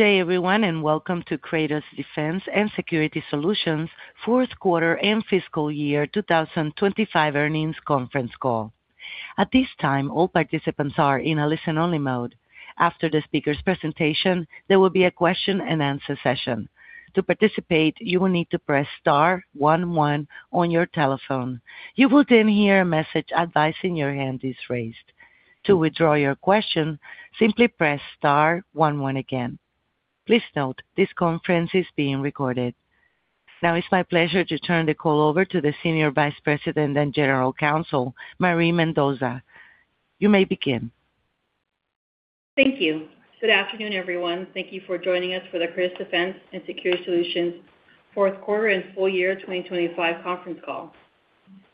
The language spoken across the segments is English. Good day, everyone, and welcome to Kratos Defense & Security Solutions' Q4 and Fiscal Year 2025 Earnings Conference Call. At this time, all participants are in a listen-only mode. After the speaker's presentation, there will be a question-and-answer session. To participate, you will need to press star one one on your telephone. You will then hear a message advising your hand is raised. To withdraw your question, simply press star one one again. Please note, this conference is being recorded. Now it's my pleasure to turn the call over to the Senior Vice President and General Counsel, Marie Mendoza. You may begin. Thank you. Good afternoon, everyone. Thank you for joining us for the Kratos Defense & Security Solutions Q4 and Full Year 2025 Conference Call.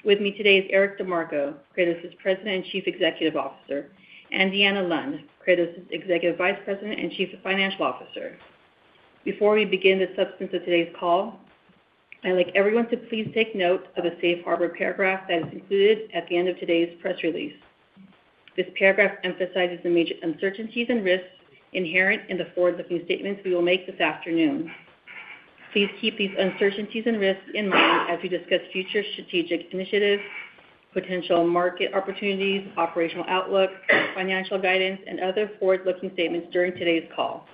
With me today is Eric DeMarco, Kratos' President and Chief Executive Officer, and Deanna Lund, Kratos' Executive Vice President and Chief Financial Officer. Before we begin the substance of today's call, I'd like everyone to please take note of a safe harbor paragraph that is included at the end of today's press release. This paragraph emphasizes the major uncertainties and risks inherent in the forward-looking statements we will make this afternoon. Please keep these uncertainties and risks in mind as we discuss future strategic initiatives, potential market opportunities, operational outlook, financial guidance, and other forward-looking statements during today's call.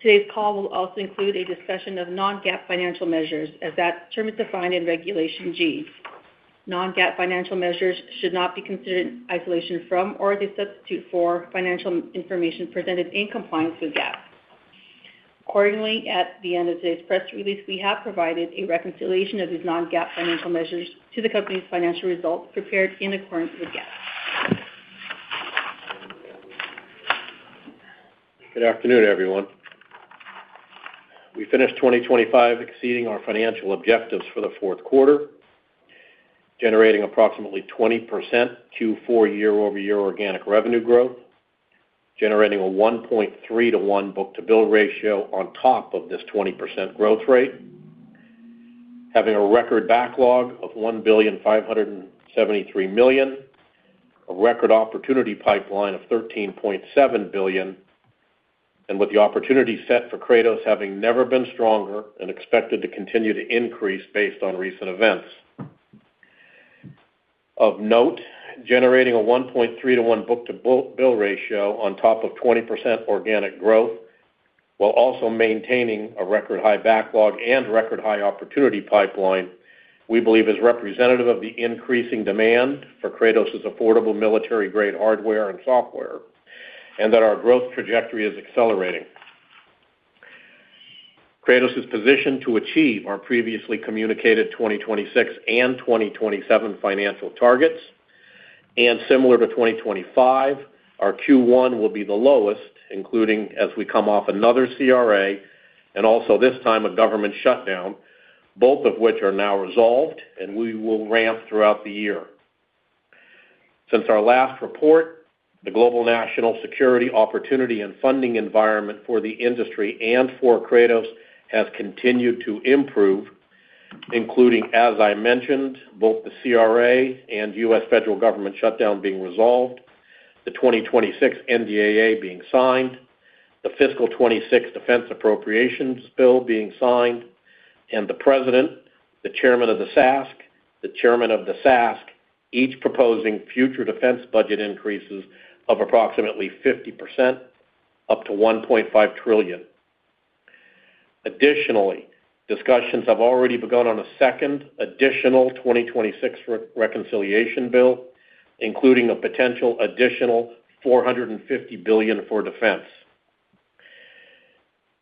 Today's call will also include a discussion of non-GAAP financial measures, as that term is defined in Regulation G. Non-GAAP financial measures should not be considered in isolation from or as a substitute for financial information presented in compliance with GAAP. Accordingly, at the end of today's press release, we have provided a reconciliation of these non-GAAP financial measures to the company's financial results prepared in accordance with GAAP. Good afternoon, everyone. We finished 2025 exceeding our financial objectives for the Q4, generating approximately 20% Q4 year-over-year organic revenue growth, generating a 1.3 to 1 book-to-bill ratio on top of this 20% growth rate. Having a record backlog of $1.573 billion, a record opportunity pipeline of $13.7 billion, and with the opportunity set for Kratos having never been stronger and expected to continue to increase based on recent events. Of note, generating a 1.3 to 1 book-to-bill ratio on top of 20% organic growth, while also maintaining a record-high backlog and record-high opportunity pipeline, we believe is representative of the increasing demand for Kratos' affordable military-grade hardware and software, and that our growth trajectory is accelerating. Kratos is positioned to achieve our previously communicated 2026 and 2027 financial targets, and similar to 2025, our Q1 will be the lowest, including as we come off another CRA and also this time a government shutdown, both of which are now resolved and we will ramp throughout the year. Since our last report, the global national security opportunity and funding environment for the industry and for Kratos has continued to improve, including, as I mentioned, both the CRA and U.S. federal government shutdown being resolved, the 2026 NDAA being signed, the fiscal 26 defense appropriations bill being signed, and the President, the Chairman of the SASC, the Chairman of the SASC, each proposing future defense budget increases of approximately 50%, up to $1.5 trillion. Additionally, discussions have already begun on a second additional 2026 re-reconciliation bill, including a potential additional $450 billion for defense.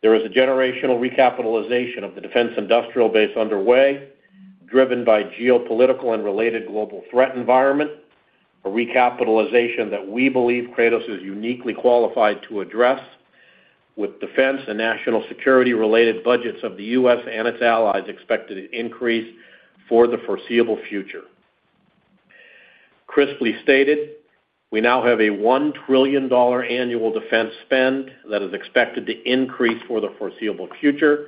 There is a generational recapitalization of the defense industrial base underway, driven by geopolitical and related global threat environment, a recapitalization that we believe Kratos is uniquely qualified to address, with defense and national security-related budgets of the U.S. and its allies expected to increase for the foreseeable future. Crisply stated, we now have a $1 trillion annual defense spend that is expected to increase for the foreseeable future.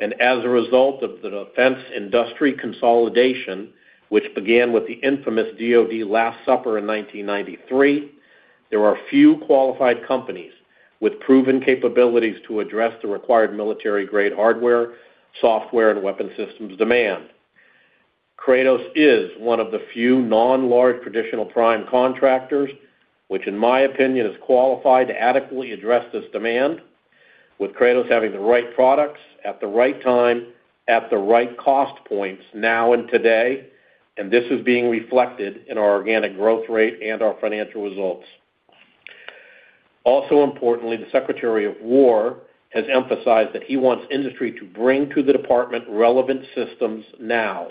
As a result of the defense industry consolidation, which began with the infamous DoD Last Supper in 1993, there are few qualified companies with proven capabilities to address the required military-grade hardware, software, and weapon systems demand. Kratos is one of the few non-large traditional prime contractors, which in my opinion, is qualified to adequately address this demand, with Kratos having the right products at the right time, at the right cost points now and today, and this is being reflected in our organic growth rate and our financial results. Also importantly, the Secretary of War has emphasized that he wants industry to bring to the department relevant systems now.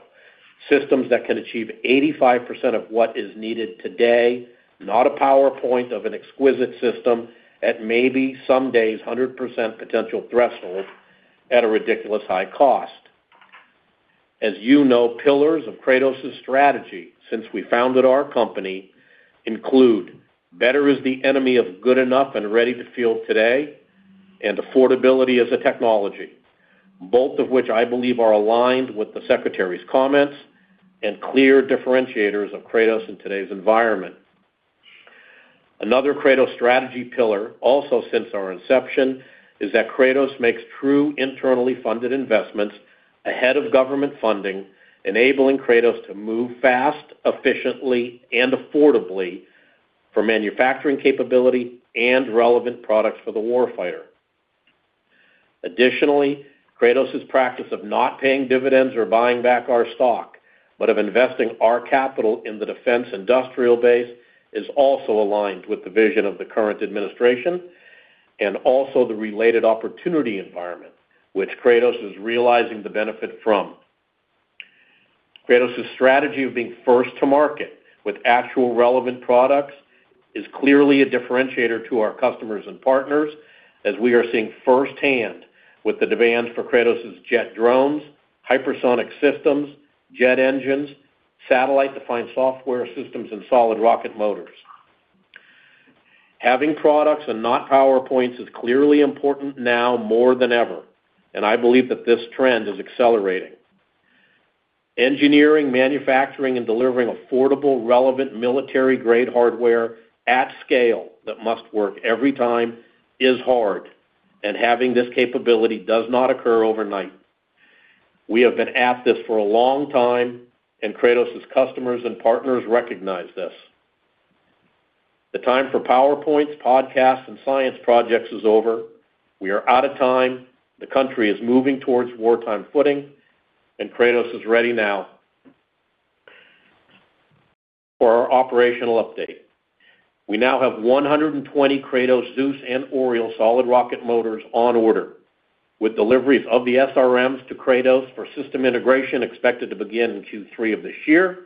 Systems that can achieve 85% of what is needed today, not a PowerPoint of an exquisite system at maybe some days 100% potential threshold at a ridiculous high cost. As you know, pillars of Kratos' strategy since we founded our company include, "Better is the enemy of good enough and ready to field today," and, "Affordability is a technology. both of which I believe are aligned with the Secretary's comments and clear differentiators of Kratos in today's environment. Another Kratos strategy pillar, also since our inception, is that Kratos makes true internally funded investments ahead of government funding, enabling Kratos to move fast, efficiently, and affordably for manufacturing capability and relevant products for the warfighter. Additionally, Kratos' practice of not paying dividends or buying back our stock, but of investing our capital in the defense industrial base, is also aligned with the vision of the current administration and also the related opportunity environment, which Kratos is realizing the benefit from. Kratos' strategy of being first to market with actual relevant products is clearly a differentiator to our customers and partners, as we are seeing firsthand with the demands for Kratos' jet drones, hypersonic systems, jet engines, satellite-defined software systems, and solid rocket motors. Having products and not PowerPoints is clearly important now more than ever, and I believe that this trend is accelerating. Engineering, manufacturing, and delivering affordable, relevant, military-grade hardware at scale that must work every time is hard, and having this capability does not occur overnight. We have been at this for a long time, and Kratos' customers and partners recognize this. The time for PowerPoints, podcasts, and science projects is over. We are out of time. The country is moving towards wartime footing, and Kratos is ready now. For our operational update, we now have 120 Kratos Zeus and Oriole solid rocket motors on order, with deliveries of the SRMs to Kratos for system integration expected to begin in Q3 of this year,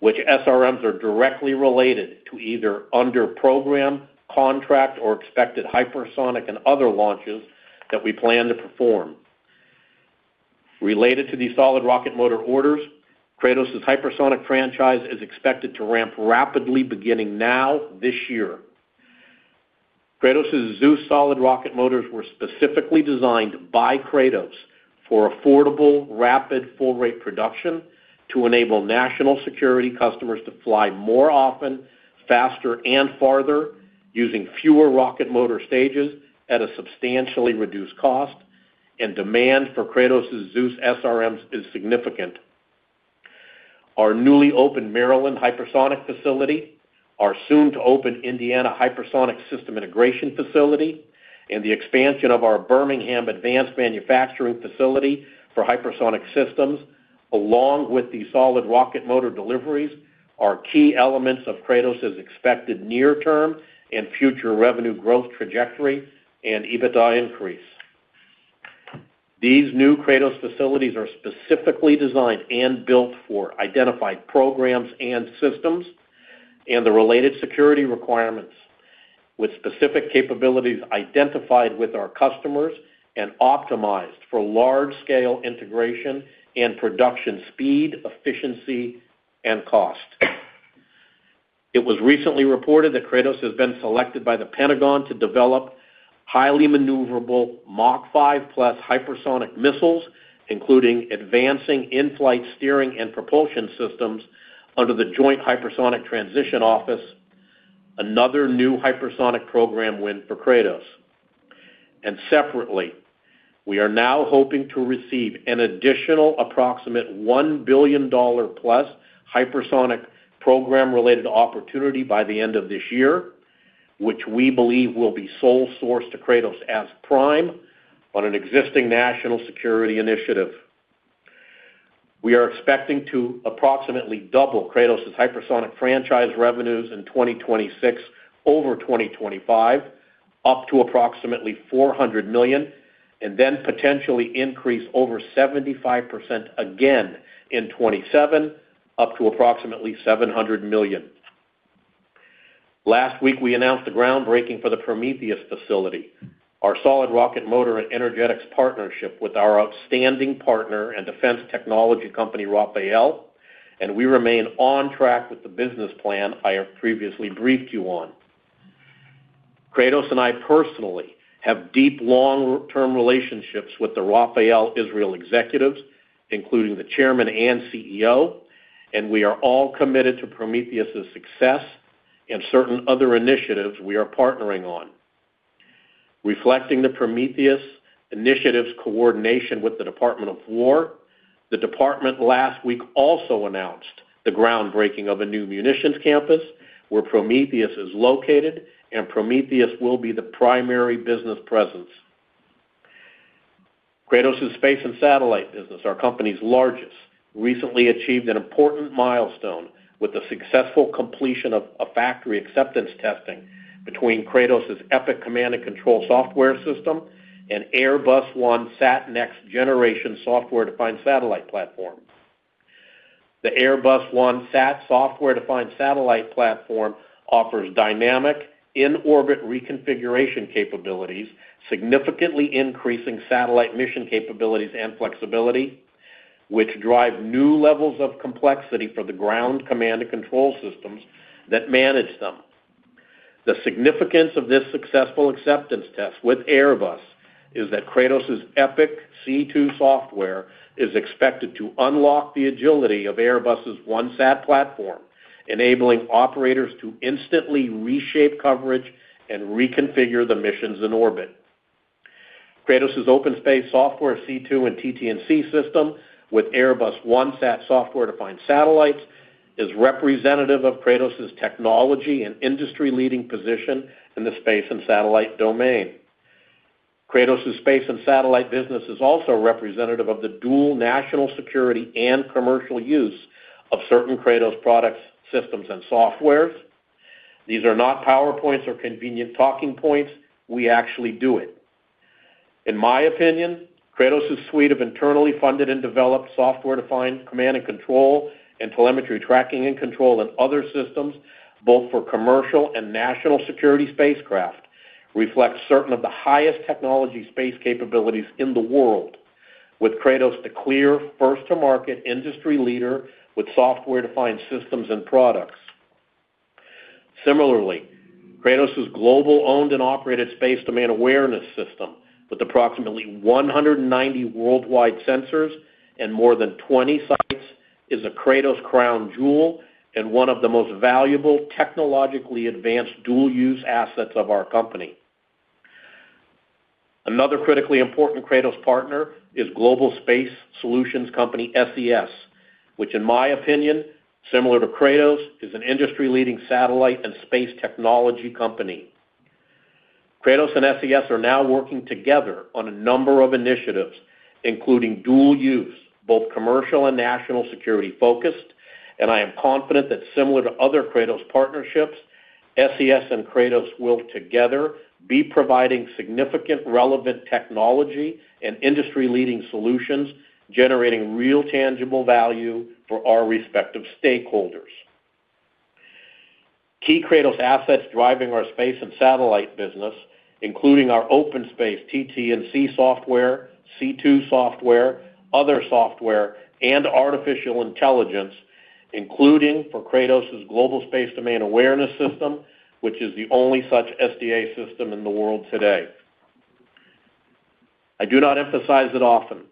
which SRMs are directly related to either under program, contract, or expected hypersonic and other launches that we plan to perform. Related to these solid rocket motor orders, Kratos' hypersonic franchise is expected to ramp rapidly, beginning now, this year. Kratos' Zeus solid rocket motors were specifically designed by Kratos for affordable, rapid, full-rate production to enable national security customers to fly more often, faster and farther, using fewer rocket motor stages at a substantially reduced cost, and demand for Kratos' Zeus SRMs is significant. Our newly opened Maryland hypersonic facility, our soon-to-open Indiana hypersonic system integration facility, and the expansion of our Birmingham advanced manufacturing facility for hypersonic systems, along with the solid rocket motor deliveries, are key elements of Kratos' expected near-term and future revenue growth trajectory and EBITDA increase. These new Kratos facilities are specifically designed and built for identified programs and systems and the related security requirements, with specific capabilities identified with our customers and optimized for large-scale integration and production speed, efficiency, and cost. It was recently reported that Kratos has been selected by The Pentagon to develop highly maneuverable Mach 5-plus hypersonic missiles, including advancing in-flight steering and propulsion systems under the Joint Hypersonics Transition Office, another new hypersonic program win for Kratos. Separately, we are now hoping to receive an additional approximate $1 billion-plus hypersonic program-related opportunity by the end of this year, which we believe will be sole sourced to Kratos as prime on an existing national security initiative. We are expecting to approximately double Kratos' hypersonic franchise revenues in 2026 over 2025, up to approximately $400 million, and then potentially increase over 75% again in 2027, up to approximately $700 million. Last week, we announced the groundbreaking for the Prometheus facility, our solid rocket motor and energetics partnership with our outstanding partner and defense technology company, Rafael, and we remain on track with the business plan I have previously briefed you on. Kratos and I personally have deep, long-term relationships with the Rafael Israel executives, including the chairman and CEO, and we are all committed to Prometheus' success and certain other initiatives we are partnering on. Reflecting the Prometheus initiatives coordination with the Department of War, the department last week also announced the groundbreaking of a new munitions campus where Prometheus is located, and Prometheus will be the primary business presence. Kratos' space and satellite business, our company's largest, recently achieved an important milestone with the successful completion of a factory acceptance testing between Kratos' Epic command and control software system and Airbus OneSat Next generation software-defined satellite platform. The Airbus OneSat software-defined satellite platform offers dynamic in-orbit reconfiguration capabilities, significantly increasing satellite mission capabilities and flexibility, which drive new levels of complexity for the ground command and control systems that manage them. The significance of this successful acceptance test with Airbus is that Kratos' EPIC C2 software is expected to unlock the agility of Airbus' OneSat platform, enabling operators to instantly reshape coverage and reconfigure the missions in orbit. Kratos' OpenSpace software, C2 and TT&C system, with Airbus OneSat software-defined satellites, is representative of Kratos' technology and industry-leading position in the space and satellite domain. Kratos' space and satellite business is also representative of the dual national security and commercial use of certain Kratos products, systems, and softwares. These are not PowerPoints or convenient talking points. We actually do it. In my opinion, Kratos' suite of internally funded and developed software-defined command and control and telemetry, tracking, and control, and other systems, both for commercial and national security spacecraft, reflect certain of the highest technology space capabilities in the world, with Kratos the clear first to market industry leader with software-defined systems and products. Similarly, Kratos' global owned and operated Space Domain Awareness system, with approximately 190 worldwide sensors and more than 20 sites, is a Kratos crown jewel and one of the most valuable, technologically advanced dual use assets of our company. Another critically important Kratos partner is global space solutions company, SES, which in my opinion, similar to Kratos, is an industry-leading satellite and space technology company. Kratos and SES are now working together on a number of initiatives, including dual use, both commercial and national security focused. I am confident that similar to other Kratos partnerships, SES and Kratos will together be providing significant, relevant technology and industry-leading solutions, generating real, tangible value for our respective stakeholders. Key Kratos assets driving our space and satellite business, including our OpenSpace, TT&C software, C2 software, other software, and artificial intelligence, including for Kratos' Global Space Domain Awareness system, which is the only such SDA system in the world today. I do not emphasize it often.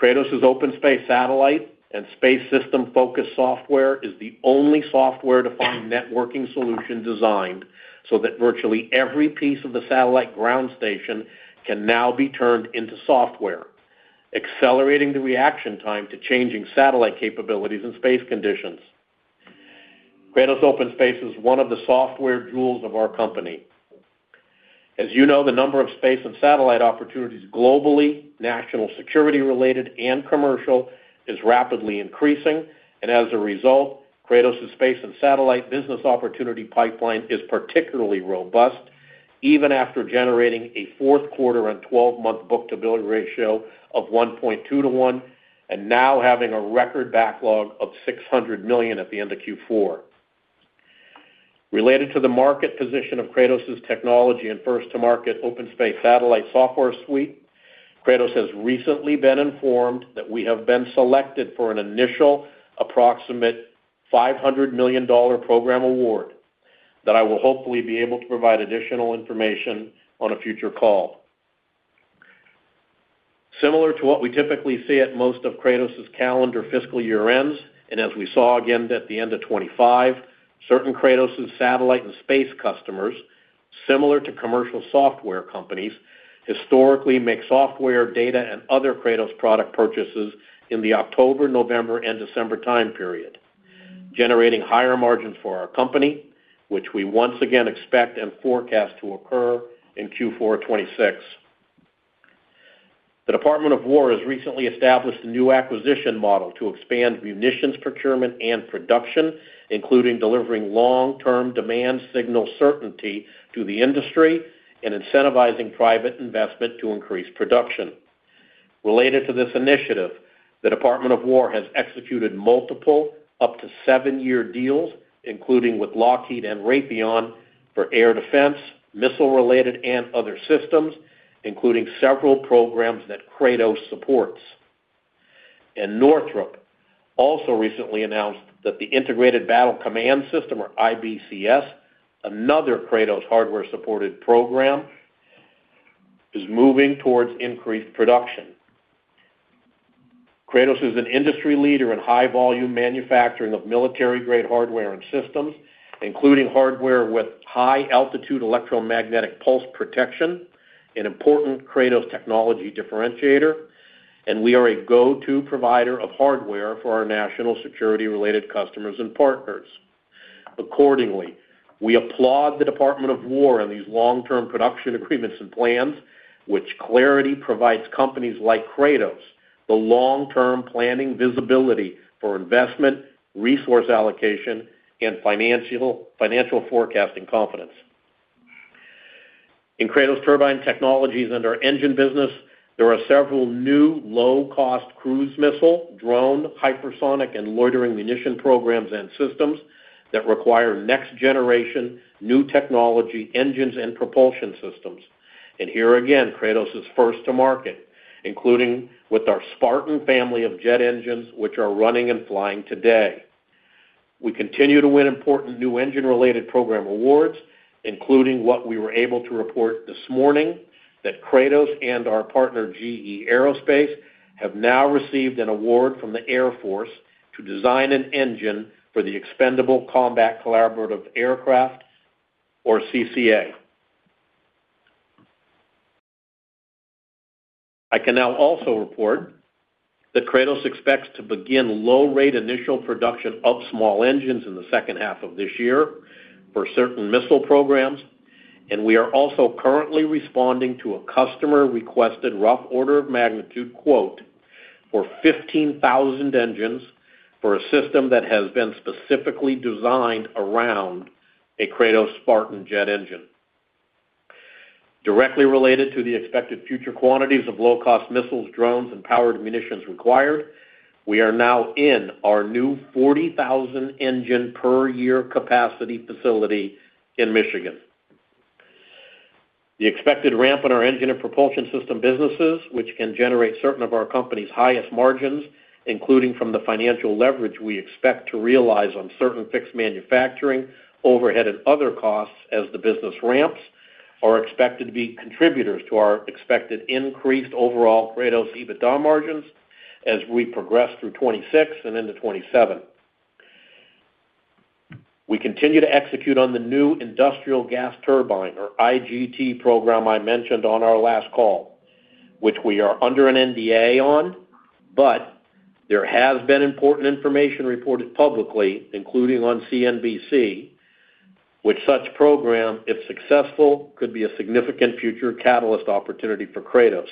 Kratos' OpenSpace satellite and space system-focused software is the only software-defined networking solution designed so that virtually every piece of the satellite ground station can now be turned into software, accelerating the reaction time to changing satellite capabilities and space conditions. Kratos OpenSpace is one of the software jewels of our company. As you know, the number of space and satellite opportunities globally, national security related and commercial, is rapidly increasing, and as a result, Kratos' space and satellite business opportunity pipeline is particularly robust, even after generating a Q4 and 12-month book-to-bill ratio of 1.2 to 1, and now having a record backlog of $600 million at the end of Q4. Related to the market position of Kratos' technology and first to market OpenSpace satellite software suite, Kratos has recently been informed that we have been selected for an initial approximate $500 million program award that I will hopefully be able to provide additional information on a future call. Similar to what we typically see at most of Kratos' calendar fiscal year ends, and as we saw again at the end of 2025, certain Kratos' satellite and space customers, similar to commercial software companies, historically make software, data, and other Kratos product purchases in the October, November, and December time period, generating higher margins for our company, which we once again expect and forecast to occur in Q4 2026. The U.S. Department of Defense has recently established a new acquisition model to expand munitions procurement and production, including delivering long-term demand signal certainty to the industry and incentivizing private investment to increase production. Related to this initiative, the U.S. Department of Defense has executed multiple up to 7-year deals, including with Lockheed Martin and Raytheon, for air defense, missile-related and other systems, including several programs that Kratos supports. Northrop also recently announced that the Integrated Battle Command System, or IBCS, another Kratos hardware-supported program, is moving towards increased production. Kratos is an industry leader in high volume manufacturing of military-grade hardware and systems, including hardware with high altitude electromagnetic pulse protection, an important Kratos technology differentiator, and we are a go-to provider of hardware for our national security-related customers and partners. Accordingly, we applaud the U.S. Department of Defense on these long-term production agreements and plans, which clarity provides companies like Kratos, the long-term planning visibility for investment, resource allocation, and financial forecasting confidence. In Kratos Turbine Technologies, under our engine business, there are several new low-cost cruise missile, drone, hypersonic, and loitering munition programs and systems that require next-generation, new technology, engines and propulsion systems. Here again, Kratos is first to market. including with our Spartan family of jet engines, which are running and flying today. We continue to win important new engine-related program awards, including what we were able to report this morning, that Kratos and our partner, GE Aerospace, have now received an award from the Air Force to design an engine for the expendable Combat Collaborative Aircraft, or CCA. I can now also report that Kratos expects to begin low rate initial production of small engines in the second half of this year for certain missile programs, and we are also currently responding to a customer-requested rough order of magnitude quote for 15,000 engines for a system that has been specifically designed around a Kratos Spartan jet engine. Directly related to the expected future quantities of low-cost missiles, drones, and powered munitions required, we are now in our new 40,000 engine per year capacity facility in Michigan. The expected ramp in our engine and propulsion system businesses, which can generate certain of our company's highest margins, including from the financial leverage we expect to realize on certain fixed manufacturing, overhead, and other costs as the business ramps, are expected to be contributors to our expected increased overall Kratos EBITDA margins as we progress through 2026 and into 2027. We continue to execute on the new industrial gas turbine, or IGT program, I mentioned on our last call, which we are under an NDA on. There has been important information reported publicly, including on CNBC, which such program, if successful, could be a significant future catalyst opportunity for Kratos.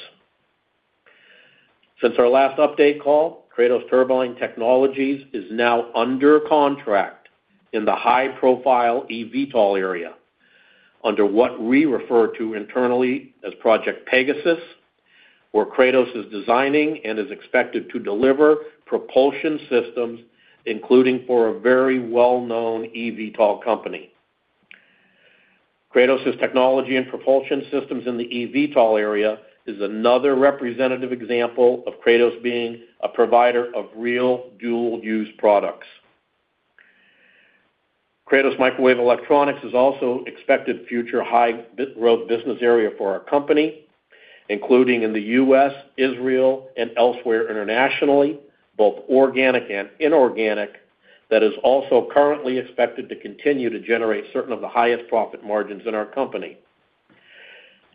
Since our last update call, Kratos Turbine Technologies is now under contract in the high-profile eVTOL area, under what we refer to internally as Project Pegasus, where Kratos is designing and is expected to deliver propulsion systems, including for a very well-known eVTOL company. Kratos' technology and propulsion systems in the eVTOL area is another representative example of Kratos being a provider of real dual-use products. Kratos Microwave Electronics is also expected future high growth business area for our company, including in the U.S., Israel, and elsewhere internationally, both organic and inorganic, that is also currently expected to continue to generate certain of the highest profit margins in our company.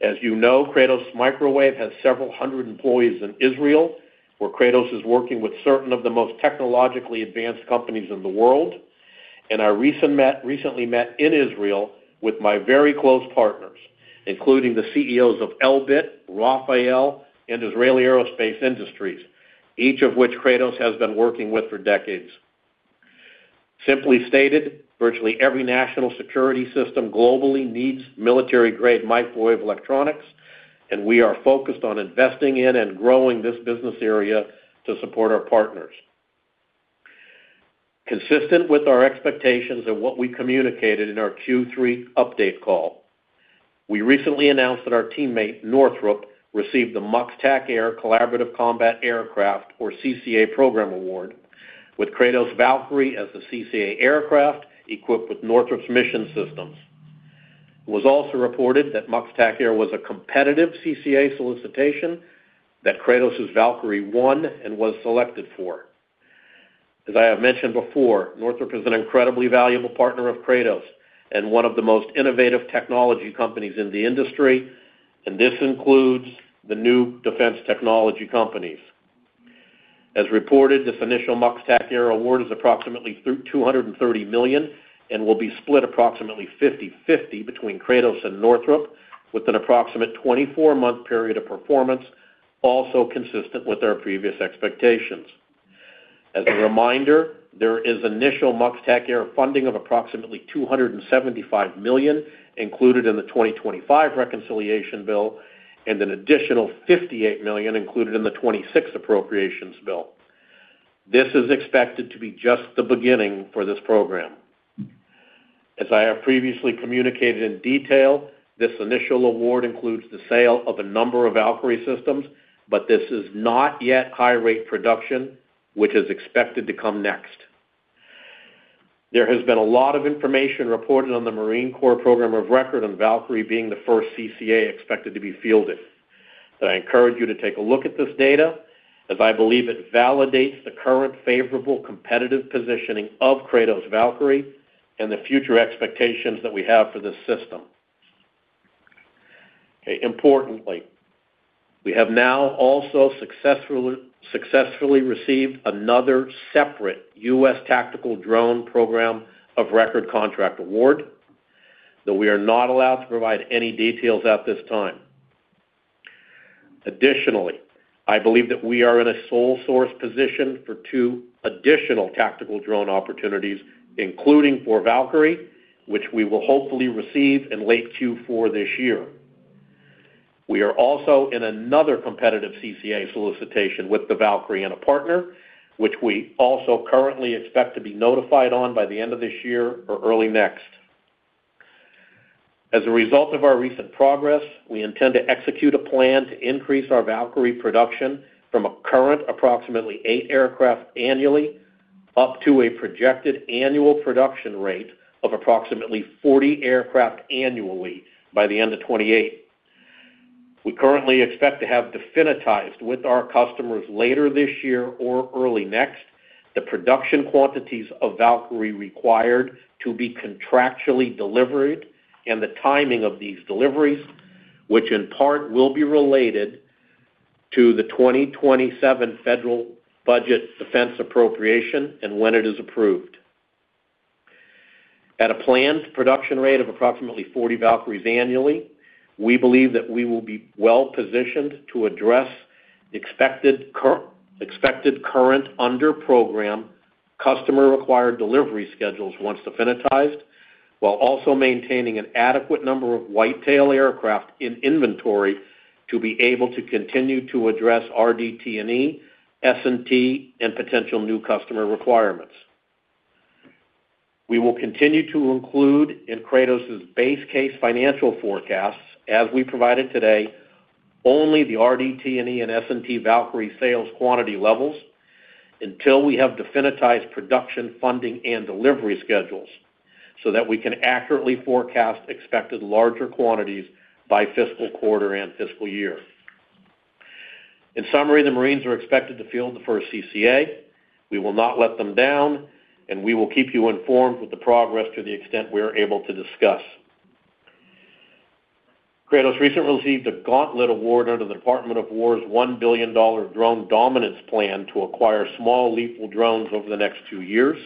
As you know, Kratos Microwave has several hundred employees in Israel, where Kratos is working with certain of the most technologically advanced companies in the world. I recently met in Israel with my very close partners, including the CEOs of Elbit, Rafael, and Israel Aerospace Industries, each of which Kratos has been working with for decades. Simply stated, virtually every national security system globally needs military-grade microwave electronics, and we are focused on investing in and growing this business area to support our partners. Consistent with our expectations and what we communicated in our Q3 update call, we recently announced that our teammate, Northrop, received the MUX TACAIR Collaborative Combat Aircraft, or CCA, program award, with Kratos Valkyrie as the CCA aircraft equipped with Northrop's mission systems. It was also reported that MUX TACAIR was a competitive CCA solicitation that Kratos' Valkyrie won and was selected for. As I have mentioned before, Northrop is an incredibly valuable partner of Kratos and one of the most innovative technology companies in the industry. This includes the new defense technology companies. As reported, this initial MUX TACAIR award is approximately $230 million and will be split approximately 50/50 between Kratos and Northrop, with an approximate 24-month period of performance, also consistent with our previous expectations. As a reminder, there is initial MUX TACAIR funding of approximately $275 million included in the 2025 reconciliation bill and an additional $58 million included in the 2026 appropriations bill. This is expected to be just the beginning for this program. As I have previously communicated in detail, this initial award includes the sale of a number of Valkyrie systems. This is not yet high rate production, which is expected to come next. There has been a lot of information reported on the Marine Corps program of record on Valkyrie being the first CCA expected to be fielded. I encourage you to take a look at this data, as I believe it validates the current favorable competitive positioning of Kratos Valkyrie and the future expectations that we have for this system. Okay, importantly, we have now also successfully received another separate U.S. tactical drone program of record contract award, that we are not allowed to provide any details at this time. Additionally, I believe that we are in a sole source position for two additional tactical drone opportunities, including for Valkyrie, which we will hopefully receive in late Q4 this year. We are also in another competitive CCA solicitation with the Valkyrie and a partner, which we also currently expect to be notified on by the end of this year or early next. As a result of our recent progress, we intend to execute a plan to increase our Valkyrie production from a current approximately 8 aircraft annually, up to a projected annual production rate of approximately 40 aircraft annually by the end of 2028. We currently expect to have definitized with our customers later this year or early next, the production quantities of Valkyrie required to be contractually delivered and the timing of these deliveries, which in part will be related to the 2027 federal budget defense appropriation and when it is approved. At a planned production rate of approximately 40 Valkyries annually, we believe that we will be well-positioned to address expected current underprogram, customer-required delivery schedules once definitized, while also maintaining an adequate number of white tail aircraft in inventory to be able to continue to address RDT&E, S&T, and potential new customer requirements. We will continue to include in Kratos' base case financial forecasts, as we provided today, only the RDT&E and S&T Valkyrie sales quantity levels, until we have definitized production, funding, and delivery schedules, so that we can accurately forecast expected larger quantities by fiscal quarter and fiscal year. In summary, the Marines are expected to field the first CCA. We will not let them down, and we will keep you informed with the progress to the extent we are able to discuss. Kratos recently received a Gauntlet award under the Department of War's $1 billion Drone Dominance Program to acquire small lethal drones over the next 2 years.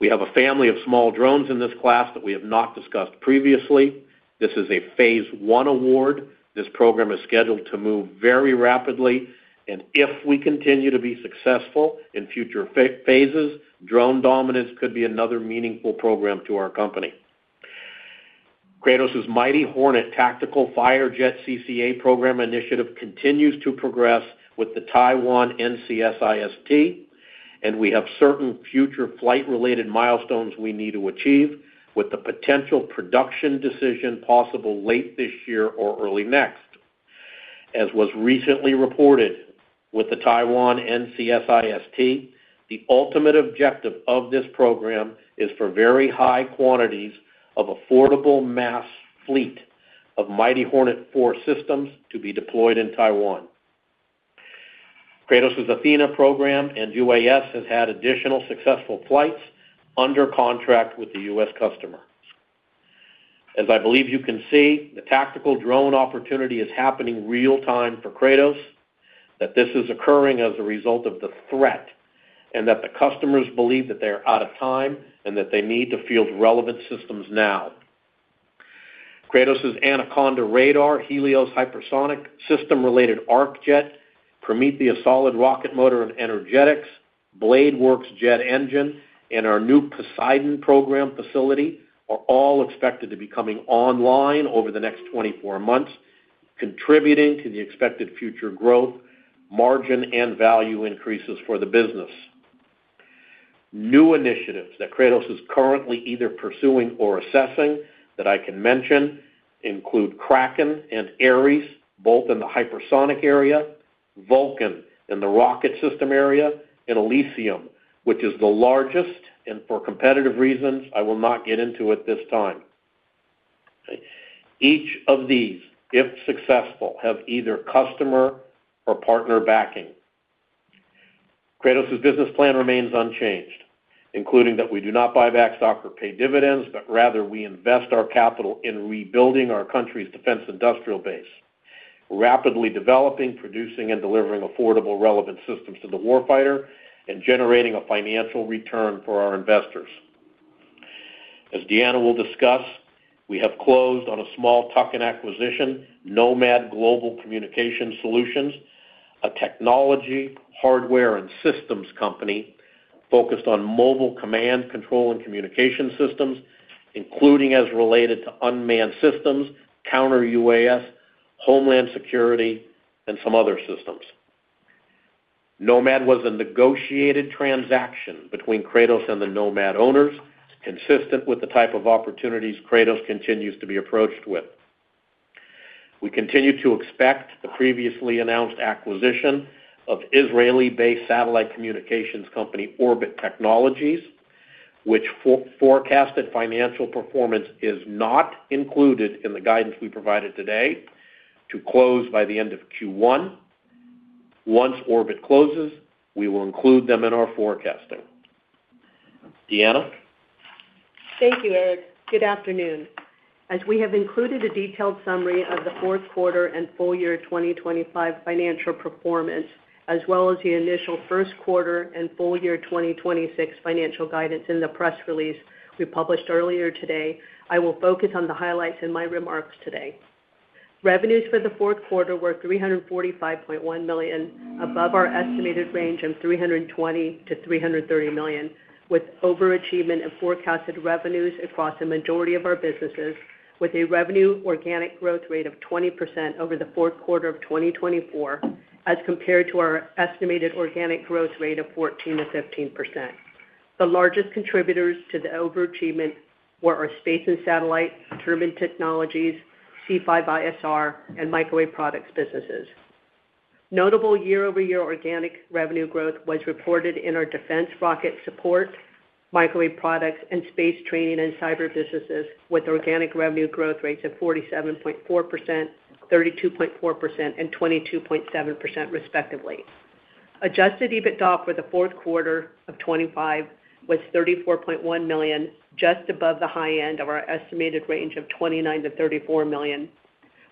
We have a family of small drones in this class that we have not discussed previously. This is a Phase 1 award. This program is scheduled to move very rapidly, if we continue to be successful in future phases, Drone Dominance Program could be another meaningful program to our company. Kratos' Mighty Hornet Tactical Firejet CCA program initiative continues to progress with the Taiwan NCSIST. We have certain future flight-related milestones we need to achieve with the potential production decision possible late this year or early next. As was recently reported, with the Taiwan NCSIST, the ultimate objective of this program is for very high quantities of affordable mass fleet of Mighty Hornet IV systems to be deployed in Taiwan. Kratos' Athena program and UAS has had additional successful flights under contract with the U.S. customer. As I believe you can see, the tactical drone opportunity is happening real time for Kratos, that this is occurring as a result of the threat, and that the customers believe that they are out of time and that they need to field relevant systems now. Kratos' Anaconda Radar, Helios Hypersonic, system-related Arc Jet, Prometheus Solid Rocket Motor and Energetics, BladeWorks Jet Engine, and our new Poseidon program facility are all expected to be coming online over the next 24 months, contributing to the expected future growth, margin, and value increases for the business. New initiatives that Kratos is currently either pursuing or assessing, that I can mention, include Kraken and Aries, both in the hypersonic area, Vulcan in the rocket system area, and Elysium, which is the largest, and for competitive reasons, I will not get into it this time. Each of these, if successful, have either customer or partner backing. Kratos' business plan remains unchanged, including that we do not buy back stock or pay dividends, but rather we invest our capital in rebuilding our country's defense industrial base, rapidly developing, producing, and delivering affordable, relevant systems to the war fighter and generating a financial return for our investors. As Deanna will discuss, we have closed on a small tuck-in acquisition, Nomad Global Communication Solutions, a technology, hardware, and systems company focused on mobile command, control, and communication systems, including as related to unmanned systems, counter UAS, homeland security, and some other systems. Nomad was a negotiated transaction between Kratos and the Nomad owners, consistent with the type of opportunities Kratos continues to be approached with. We continue to expect the previously announced acquisition of Israeli-based satellite communications company, Orbit Technologies, which forecasted financial performance is not included in the guidance we provided today, to close by the end of Q1. Once Orbit closes, we will include them in our forecasting. Deanna? Thank you, Eric. Good afternoon. As we have included a detailed summary of the Q4 and full year 2025 financial performance, as well as the initial Q1 and full year 2026 financial guidance in the press release we published earlier today, I will focus on the highlights in my remarks today. Revenues for the Q4 were $345.1 million, above our estimated range of $320 million-$330 million, with overachievement of forecasted revenues across the majority of our businesses, with a revenue organic growth rate of 20% over the Q4 of 2024, as compared to our estimated organic growth rate of 14%-15%. The largest contributors to the overachievement were our space and satellite, turbine technologies, C5ISR, and microwave products businesses. Notable year-over-year organic revenue growth was reported in our Defense Rocket Support, Microwave Products, and Space Training and Cyber businesses, with organic revenue growth rates of 47.4%, 32.4%, and 22.7% respectively. Adjusted EBITDA for the Q4 of 2025 was $34.1 million, just above the high end of our estimated range of $29 million-$34 million,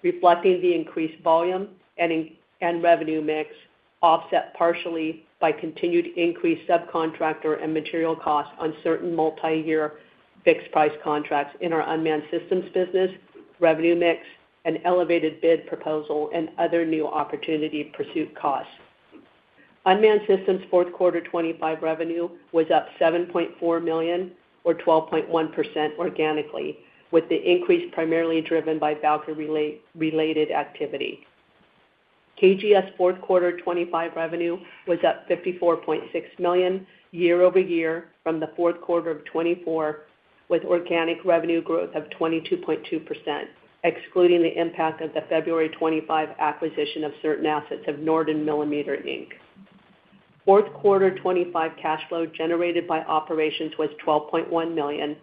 reflecting the increased volume and revenue mix, offset partially by continued increased subcontractor and material costs on certain multi-year fixed price contracts in our Unmanned Systems business, revenue mix, and elevated bid proposal and other new opportunity pursuit costs. Unmanned Systems' Q4 2025 revenue was up $7.4 million, or 12.1% organically, with the increase primarily driven by Valkyrie-related activity. KGS Q4 2025 revenue was up $54.6 million year-over-year from the Q4 of 2024, with organic revenue growth of 22.2%, excluding the impact of the February 2025 acquisition of certain assets of Norden Millimeter, Inc. Q4 2025 cash flow generated by operations was $12.1 million,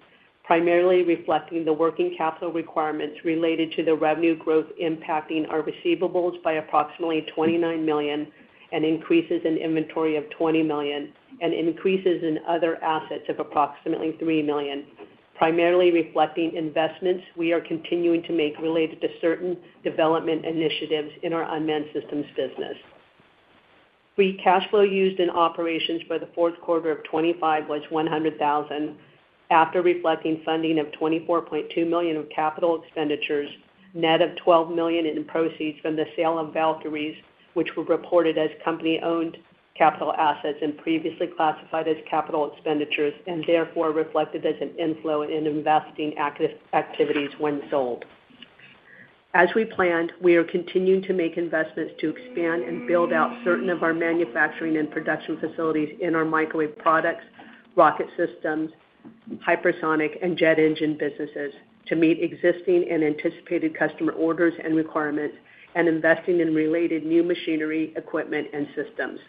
primarily reflecting the working capital requirements related to the revenue growth impacting our receivables by approximately $29 million and increases in inventory of $20 million, and increases in other assets of approximately $3 million, primarily reflecting investments we are continuing to make related to certain development initiatives in our Unmanned Systems business. Free cash flow used in operations for the Q4 of 2025 was $100,000, after reflecting funding of $24.2 million of capital expenditures, net of $12 million in proceeds from the sale of Valkyries, which were reported as company-owned capital assets and previously classified as capital expenditures, and therefore reflected as an inflow in investing activities when sold. As we planned, we are continuing to make investments to expand and build out certain of our manufacturing and production facilities in our microwave products, rocket systems, hypersonic, and jet engine businesses to meet existing and anticipated customer orders and requirements, and investing in related new machinery, equipment, and systems.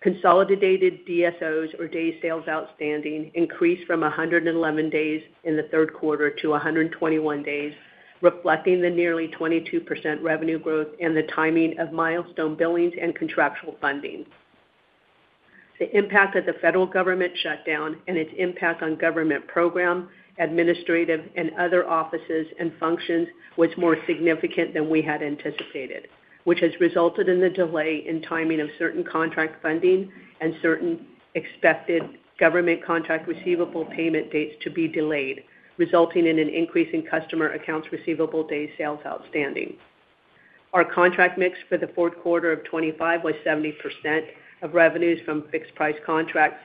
Consolidated DSOs, or Days Sales Outstanding, increased from 111 days in the Q3 to 121 days, reflecting the nearly 22% revenue growth and the timing of milestone billings and contractual funding. The impact of the federal government shutdown and its impact on government program, administrative, and other offices and functions was more significant than we had anticipated, which has resulted in the delay in timing of certain contract funding and certain expected government contract receivable payment dates to be delayed, resulting in an increase in customer accounts receivable Days Sales Outstanding. Our contract mix for the Q4 of 2025 was 70% of revenues from fixed price contracts,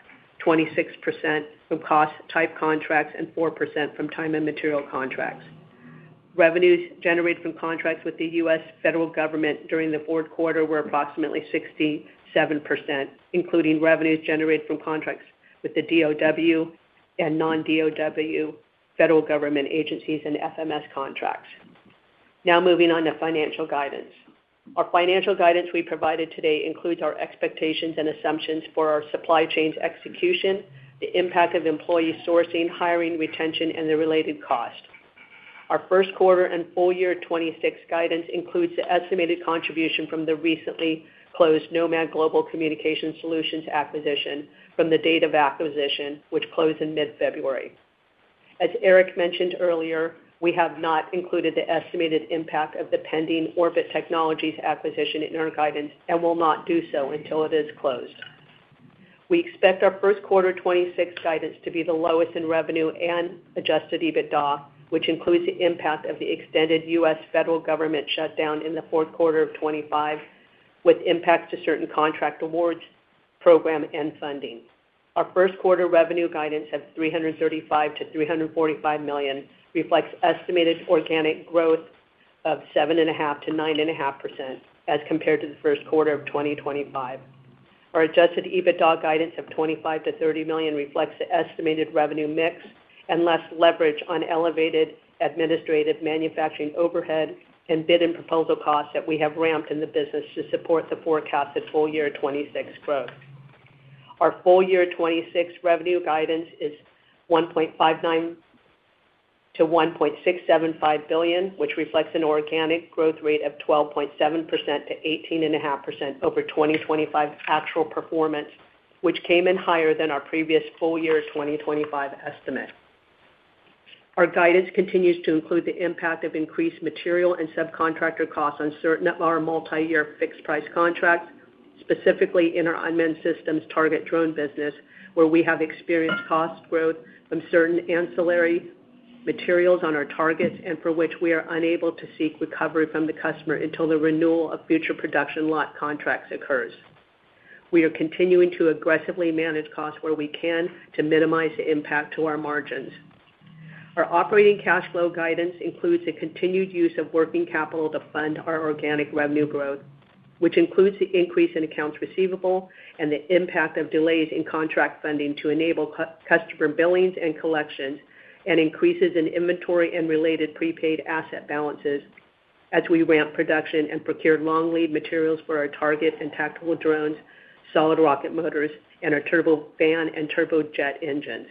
26% from cost type contracts, and 4% from time and material contracts. Revenues generated from contracts with the U.S. federal government during the Q4 were approximately 67%, including revenues generated from contracts with the DOD and non-DOD federal government agencies and FMS contracts. Moving on to financial guidance. Our financial guidance we provided today includes our expectations and assumptions for our supply chains execution, the impact of employee sourcing, hiring, retention, and the related cost. Our Q1 and full year 2026 guidance includes the estimated contribution from the recently closed Nomad Global Communication Solutions acquisition from the date of acquisition, which closed in mid-February. As Eric mentioned earlier, we have not included the estimated impact of the pending Orbit Technologies acquisition in our guidance and will not do so until it is closed. We expect our Q1 2026 guidance to be the lowest in revenue and adjusted EBITDA, which includes the impact of the extended U.S. federal government shutdown in the Q4 of 2025, with impacts to certain contract awards, program and funding. Our Q1 revenue guidance of $335 million-$345 million reflects estimated organic growth of 7.5%-9.5% as compared to the Q1 of 2025. Our adjusted EBITDA guidance of $25 million-$30 million reflects the estimated revenue mix and less leverage on elevated administrative manufacturing overhead and bid and proposal costs that we have ramped in the business to support the forecasted full year 2026 growth. Our full year 2026 revenue guidance is $1.59 billion-$1.675 billion, which reflects an organic growth rate of 12.7%-18.5% over 2025 actual performance, which came in higher than our previous full year 2025 estimate. Our guidance continues to include the impact of increased material and subcontractor costs on our multi-year fixed price contracts, specifically in our Unmanned Systems Target Drone business, where we have experienced cost growth from certain ancillary materials on our targets and for which we are unable to seek recovery from the customer until the renewal of future production lot contracts occurs. We are continuing to aggressively manage costs where we can to minimize the impact to our margins. Our operating cash flow guidance includes the continued use of working capital to fund our organic revenue growth, which includes the increase in accounts receivable and the impact of delays in contract funding to enable customer billings and collections, and increases in inventory and related prepaid asset balances as we ramp production and procure long lead materials for our target and tactical drones, solid rocket motors, and our turbofan and turbojet engines.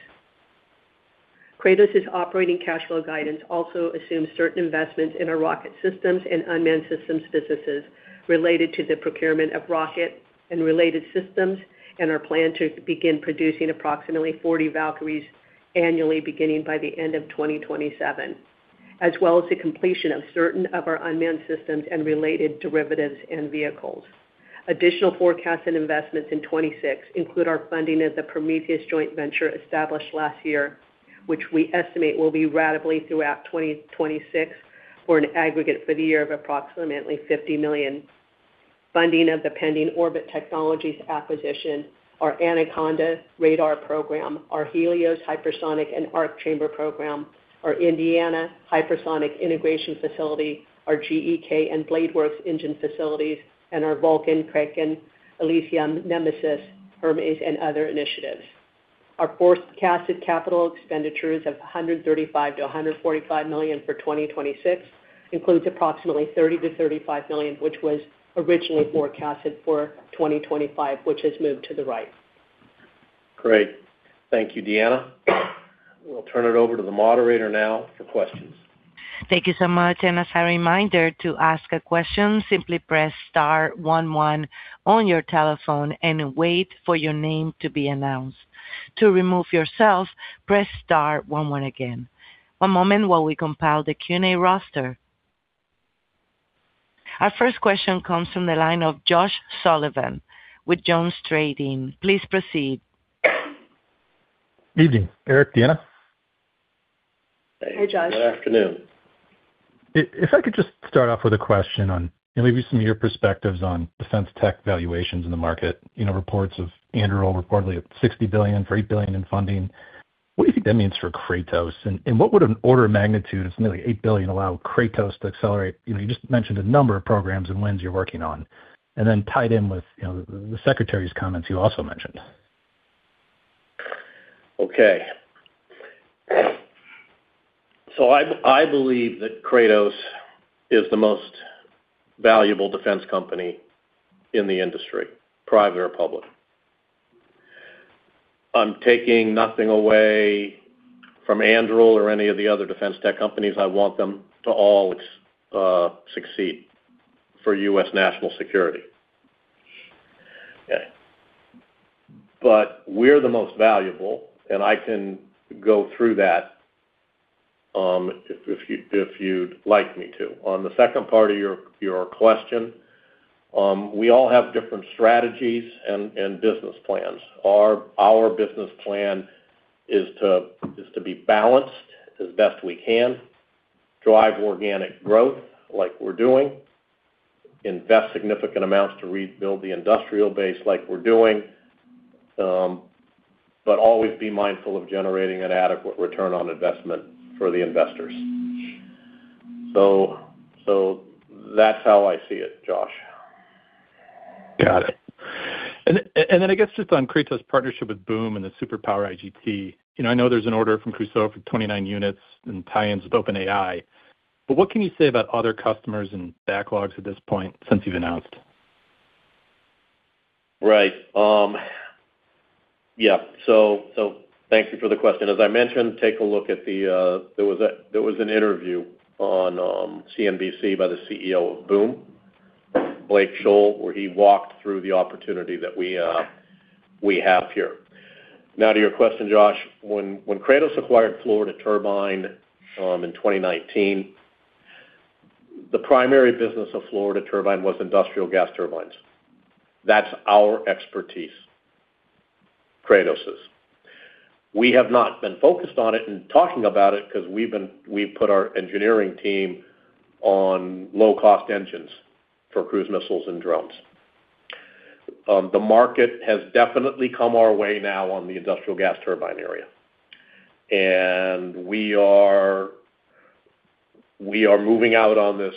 Kratos's operating cash flow guidance also assumes certain investments in our rocket systems and unmanned systems businesses related to the procurement of rocket and related systems, and our plan to begin producing approximately 40 Valkyries annually, beginning by the end of 2027, as well as the completion of certain of our unmanned systems and related derivatives and vehicles. Additional forecasted investments in 2026 include our funding of the Prometheus joint venture established last year, which we estimate will be ratably throughout 2026, or an aggregate for the year of approximately $50 million. Funding of the pending Orbit Communication Systems acquisition, our Project Anaconda radar program, our Project Helios Hypersonic and Arc Jet program, our Indiana Payload Integration Facility, our GEK and BladeWorks engine facilities, and our Vulcan, Kraken, Elysium, Nemesis, Hermes, and other initiatives. Our forecasted capital expenditures of $135 million-$145 million for 2026 includes approximately $30 million-$35 million, which was originally forecasted for 2025, which has moved to the right. Great. Thank you, Deanna. We'll turn it over to the moderator now for questions. Thank you so much. As a reminder to ask a question, simply press star one one on your telephone and wait for your name to be announced. To remove yourself, press star one one again. One moment while we compile the Q&A roster. Our first question comes from the line of Josh Sullivan with JonesTrading. Please proceed. Evening, Eric, Deanna. Hey, Josh. Good afternoon. If, if I could just start off with a question on maybe some of your perspectives on defense tech valuations in the market? You know, reports of Anduril reportedly at $60 billion for $8 billion in funding. What do you think that means for Kratos? What would an order of magnitude of nearly $8 billion allow Kratos to accelerate? You know, you just mentioned a number of programs and wins you're working on, and then tied in with, you know, the secretary's comments you also mentioned. Okay. I, I believe that Kratos is the most valuable defense company in the industry, private or public. I'm taking nothing away from Anduril or any of the other defense tech companies. I want them to all succeed for U.S. national security. We're the most valuable, and I can go through that if you, if you'd like me to. On the second part of your, your question, we all have different strategies and, and business plans. Our, our business plan is to, is to be balanced as best we can, drive organic growth like we're doing, invest significant amounts to rebuild the industrial base like we're doing, but always be mindful of generating an adequate return on investment for the investors. So that's how I see it, Josh. Got it. Then I guess just on Kratos' partnership with Boom and the Superpower IGT. You know, I know there's an order from Crusoe for 29 units and tie-ins with OpenAI, but what can you say about other customers and backlogs at this point since you've announced? Right. Yeah, thank you for the question. As I mentioned, take a look at the. There was an interview on CNBC by the CEO of Boom, Blake Scholl, where he walked through the opportunity that we have here. Now, to your question, Josh, when, when Kratos acquired Florida Turbine, in 2019, the primary business of Florida Turbine was industrial gas turbines. That's our expertise, Kratos's. We have not been focused on it and talking about it because we've put our engineering team on low-cost engines for cruise missiles and drones. The market has definitely come our way now on the industrial gas turbine area, and we are, we are moving out on this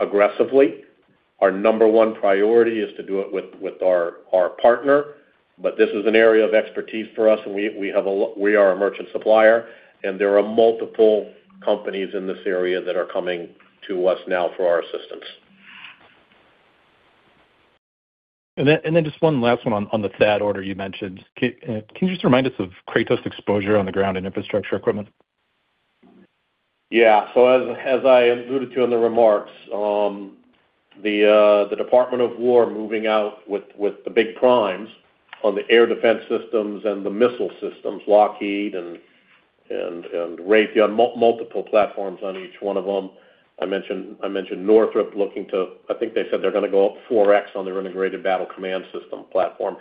aggressively. Our number one priority is to do it with, with our, our partner, but this is an area of expertise for us, and we, we have a lo-- we are a merchant supplier, and there are multiple companies in this area that are coming to us now for our assistance. Just one last one on, on the THAAD order you mentioned. Can you just remind us of Kratos' exposure on the ground and infrastructure equipment? Yeah. As, as I alluded to in the remarks, the U.S. Department of Defense moving out with, with the big primes on the air defense systems and the missile systems, Lockheed Martin and, and, and Raytheon, multiple platforms on each one of them. I mentioned, I mentioned Northrop Grumman looking to. I think they said they're gonna go up 4x on their Integrated Battle Command System platform.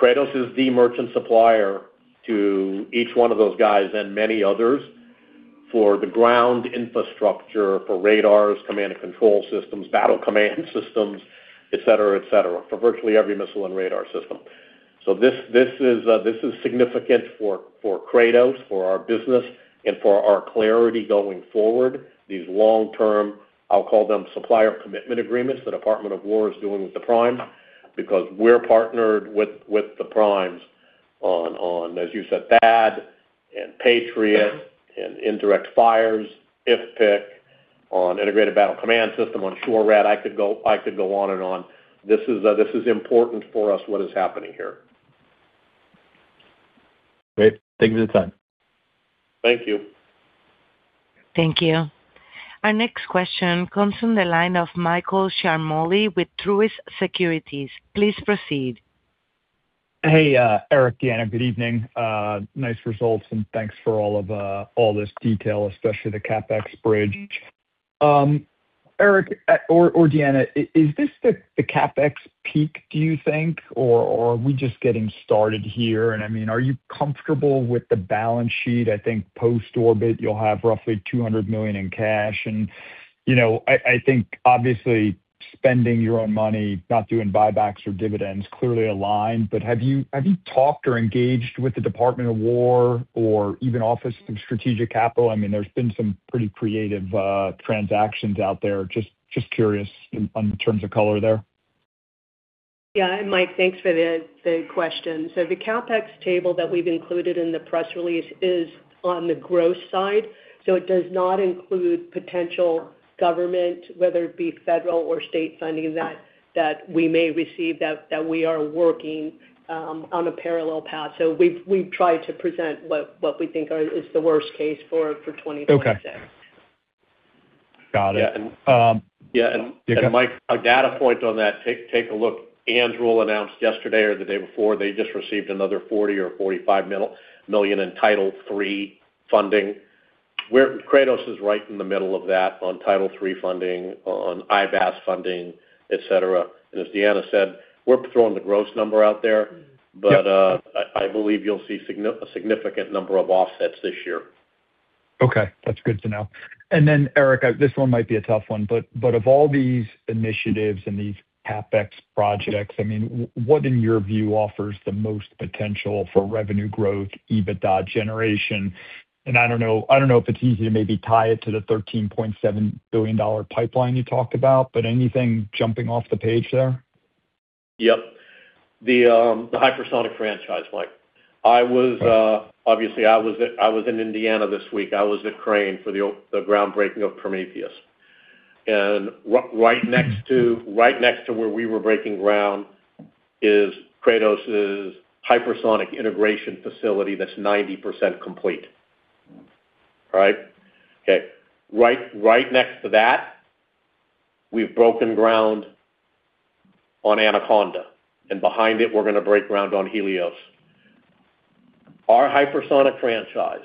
Kratos is the merchant supplier to each one of those guys and many others for the ground infrastructure, for radars, command and control systems, battle command systems, et cetera, et cetera, for virtually every missile and radar system. This, this is, this is significant for, for Kratos, for our business, and for our clarity going forward. These long-term, I'll call them supplier commitment agreements, the Department of War is doing with the prime, because we're partnered with, with the primes on, as you said, THAAD and Patriot and Indirect Fires, IFPC, on Integrated Battle Command System, on SHORAD. I could go on and on. This is important for us, what is happening here. Great. Thank you for the time. Thank you. Thank you. Our next question comes from the line of Michael Ciarmoli with Truist Securities. Please proceed. Hey, Eric, Deanna, good evening. Nice results, thanks for all of this detail, especially the CapEx bridge. Eric, at, or Deanna, is this the, the CapEx peak, do you think, or are we just getting started here? I mean, are you comfortable with the balance sheet? I think post-Orbit, you'll have roughly $200 million in cash. You know, I, I think obviously spending your own money, not doing buybacks or dividends, clearly aligned, but have you, have you talked or engaged with the Department of War or even Office of Strategic Capital? I mean, there's been some pretty creative transactions out there. Just curious on the terms of color there. Yeah, Mike, thanks for the, the question. The CapEx table that we've included in the press release is on the growth side, so it does not include potential government, whether it be federal or state funding, that, that we may receive, that, that we are working on a parallel path. We've, we've tried to present what, what we think are, is the worst case for, for 2027. Okay. Got it. Yeah, and. You can Yeah, and, and Mike, a data point on that, take, take a look. Anduril announced yesterday or the day before, they just received another $40 or $45 million in Title III funding. Kratos is right in the middle of that on Title III funding, on IBAS funding, et cetera. As Deanna said, we're throwing the gross number out there, but, I, I believe you'll see a significant number of offsets this year. Okay. That's good to know. Eric, this one might be a tough one, but of all these initiatives and these CapEx projects, I mean, what, in your view, offers the most potential for revenue growth, EBITDA generation? I don't know, I don't know if it's easy to maybe tie it to the $13.7 billion pipeline you talked about. Anything jumping off the page there? Yep. The hypersonic franchise, Mike. I was, obviously, I was in Indiana this week. I was at Crane for the groundbreaking of Prometheus. Right next to, right next to where we were breaking ground is Kratos' Hypersonic Integration Facility that's 90% complete. All right? Okay. Right, right next to that, we've broken ground on Anaconda, and behind it, we're gonna break ground on Helios. Our hypersonic franchise,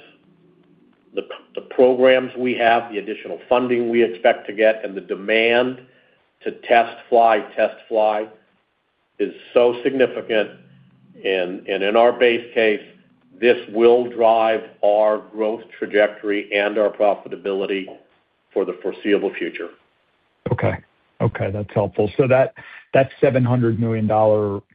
the programs we have, the additional funding we expect to get, and the demand to test, fly, test, fly, is so significant, and in our base case, this will drive our growth trajectory and our profitability for the foreseeable future. Okay. Okay, that's helpful. That, that $700 million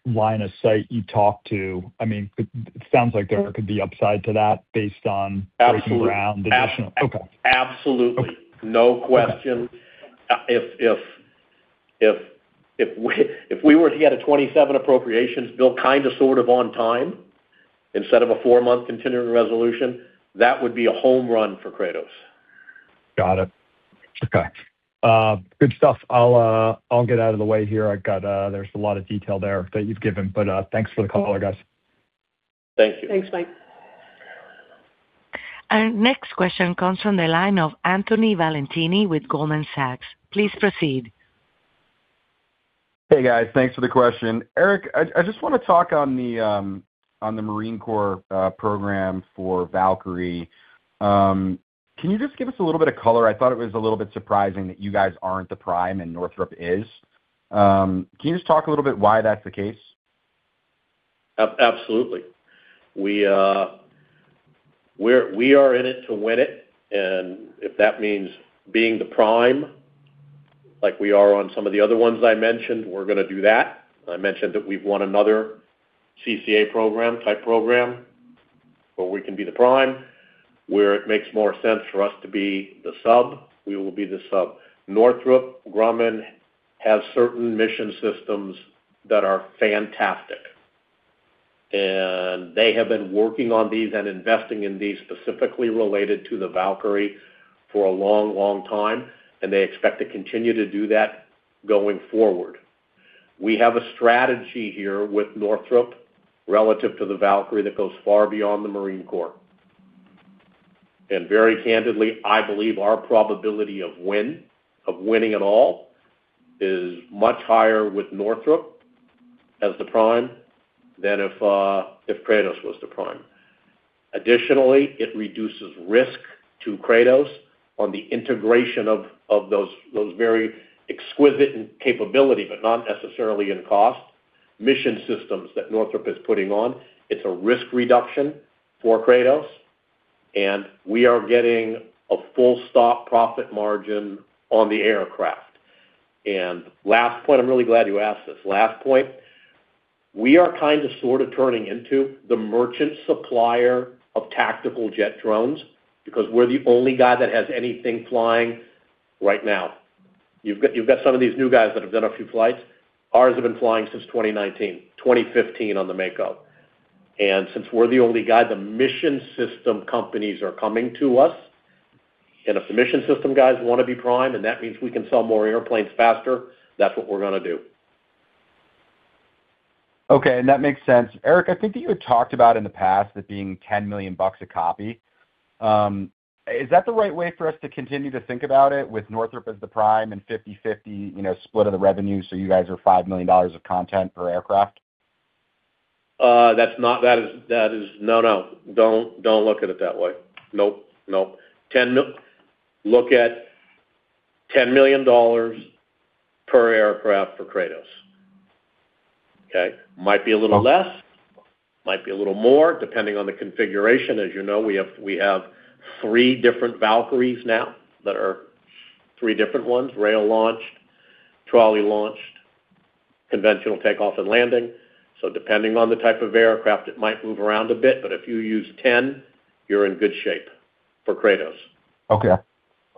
line of sight you talked to, I mean, it sounds like there could be upside to that based on. Absolutely. Breaking ground, additional- Ab- Okay. Absolutely. Okay. No question. If we were to get a 2027 appropriations bill, kind of, sort of on time, instead of a 4-month continuing resolution, that would be a home run for Kratos. Got it. Okay. good stuff. I'll, I'll get out of the way here. I've got... There's a lot of detail there that you've given, but, thanks for the call, guys. Thank you. Thanks, Mike. Our next question comes from the line of Anthony Valentini with Goldman Sachs. Please proceed. Hey, guys, thanks for the question. Eric, I, I just wanna talk on the Marine Corps program for Valkyrie. Can you just give us a little bit of color? I thought it was a little bit surprising that you guys aren't the prime and Northrop is. Can you just talk a little bit why that's the case? Absolutely. We are in it to win it, if that means being the prime, like we are on some of the other ones I mentioned, we're going to do that. I mentioned that we've won another CCA program, type program, where we can be the prime. Where it makes more sense for us to be the sub, we will be the sub. Northrop Grumman has certain mission systems that are fantastic, they have been working on these and investing in these, specifically related to the Valkyrie, for a long, long time, they expect to continue to do that going forward. We have a strategy here with Northrop, relative to the Valkyrie, that goes far beyond the Marine Corps. Very candidly, I believe our probability of win, of winning at all, is much higher with Northrop as the prime than if Kratos was the prime. Additionally, it reduces risk to Kratos on the integration of, of those, those very exquisite and capability, but not necessarily in cost, mission systems that Northrop is putting on. It's a risk reduction for Kratos, and we are getting a full stop profit margin on the aircraft. Last point, I'm really glad you asked this. Last point, we are kind of, sort of turning into the merchant supplier of tactical jet drones, because we're the only guy that has anything flying right now. You've got, you've got some of these new guys that have done a few flights. Ours have been flying since 2019, 2015 on the Mako. Since we're the only guy, the mission system companies are coming to us, and if the mission system guys want to be prime, and that means we can sell more airplanes faster, that's what we're gonna do. Okay, that makes sense. Eric, I think that you had talked about in the past, it being $10 million a copy. Is that the right way for us to continue to think about it with Northrop as the prime and 50/50, you know, split of the revenue, so you guys are $5 million of content per aircraft? No, no. Don't, don't look at it that way. Nope, nope. Look at $10 million per aircraft for Kratos. Okay. Might be a little less, might be a little more, depending on the configuration. As you know, we have, we have 3 different Valkyries now, that are 3 different ones, rail-launched, trolley-launched, conventional takeoff and landing. Depending on the type of aircraft, it might move around a bit, but if you use 10, you're in good shape for Kratos. Okay.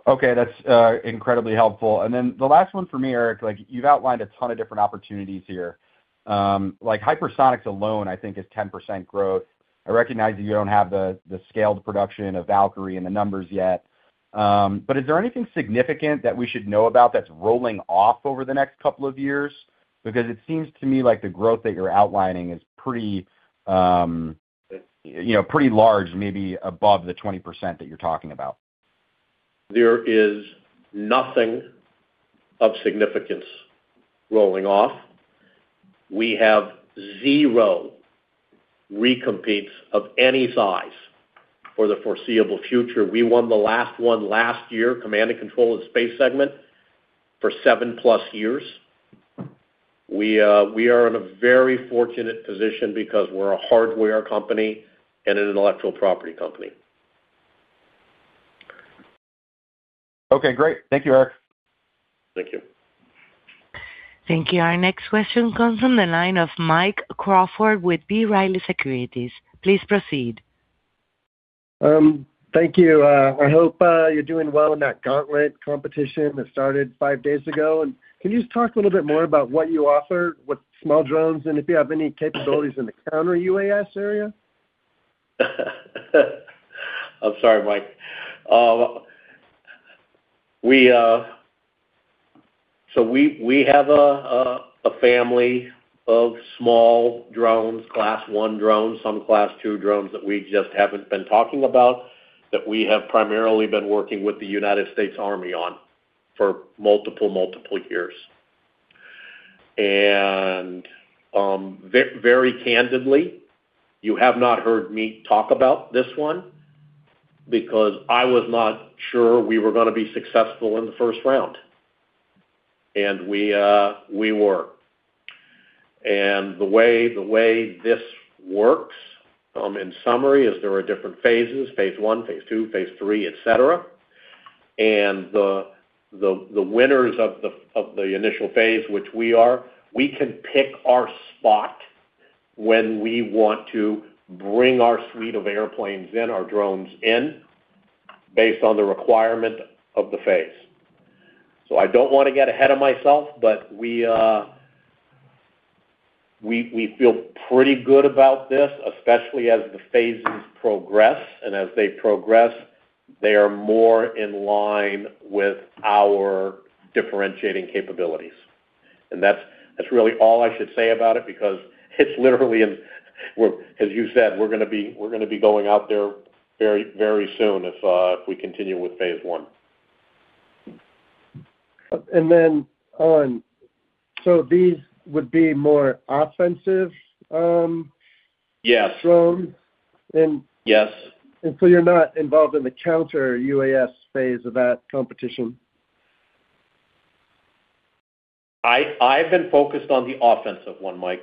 Okay, that's incredibly helpful. Then the last one for me, Eric, like, you've outlined a ton of different opportunities here. Like, hypersonics alone, I think, is 10% growth. I recognize that you don't have the, the scaled production of Valkyrie and the numbers yet, but is there anything significant that we should know about that's rolling off over the next couple of years? It seems to me like the growth that you're outlining is pretty, you know, pretty large, maybe above the 20% that you're talking about. There is nothing of significance rolling off. We have 0 recompetes of any size for the foreseeable future. We won the last one last year, C2 and space segment, for 7+ years. We, we are in a very fortunate position because we're a hardware company and an intellectual property company. Okay, great. Thank you, Eric. Thank you. Thank you. Our next question comes from the line of Mike Crawford with B. Riley Securities. Please proceed. Thank you. I hope you're doing well in that Gauntlet competition that started 5 days ago. Can you just talk a little bit more about what you offer with small drones, and if you have any capabilities in the counter-UAS area? I'm sorry, Mike. We have a family of small drones, Class one drones, some Class two drones that we just haven't been talking about, that we have primarily been working with the United States Army on for multiple, multiple years. Very candidly, you have not heard me talk about this one, because I was not sure we were gonna be successful in the first round. We were. The way this works, in summary, is there are different phases, phase one, phase two, phase three, et cetera. The winners of the initial phase, which we are, we can pick our spot when we want to bring our suite of airplanes in, our drones in, based on the requirement of the phase. I don't want to get ahead of myself, but we, we feel pretty good about this, especially as the phases progress. As they progress, they are more in line with our differentiating capabilities. That's, that's really all I should say about it because it's literally in. As you said, we're gonna be going out there very, very soon, if we continue with phase one. These would be more offensive. Yes. -drones? Yes. You're not involved in the counter-UAS phase of that competition? I, I've been focused on the offensive one, Mike,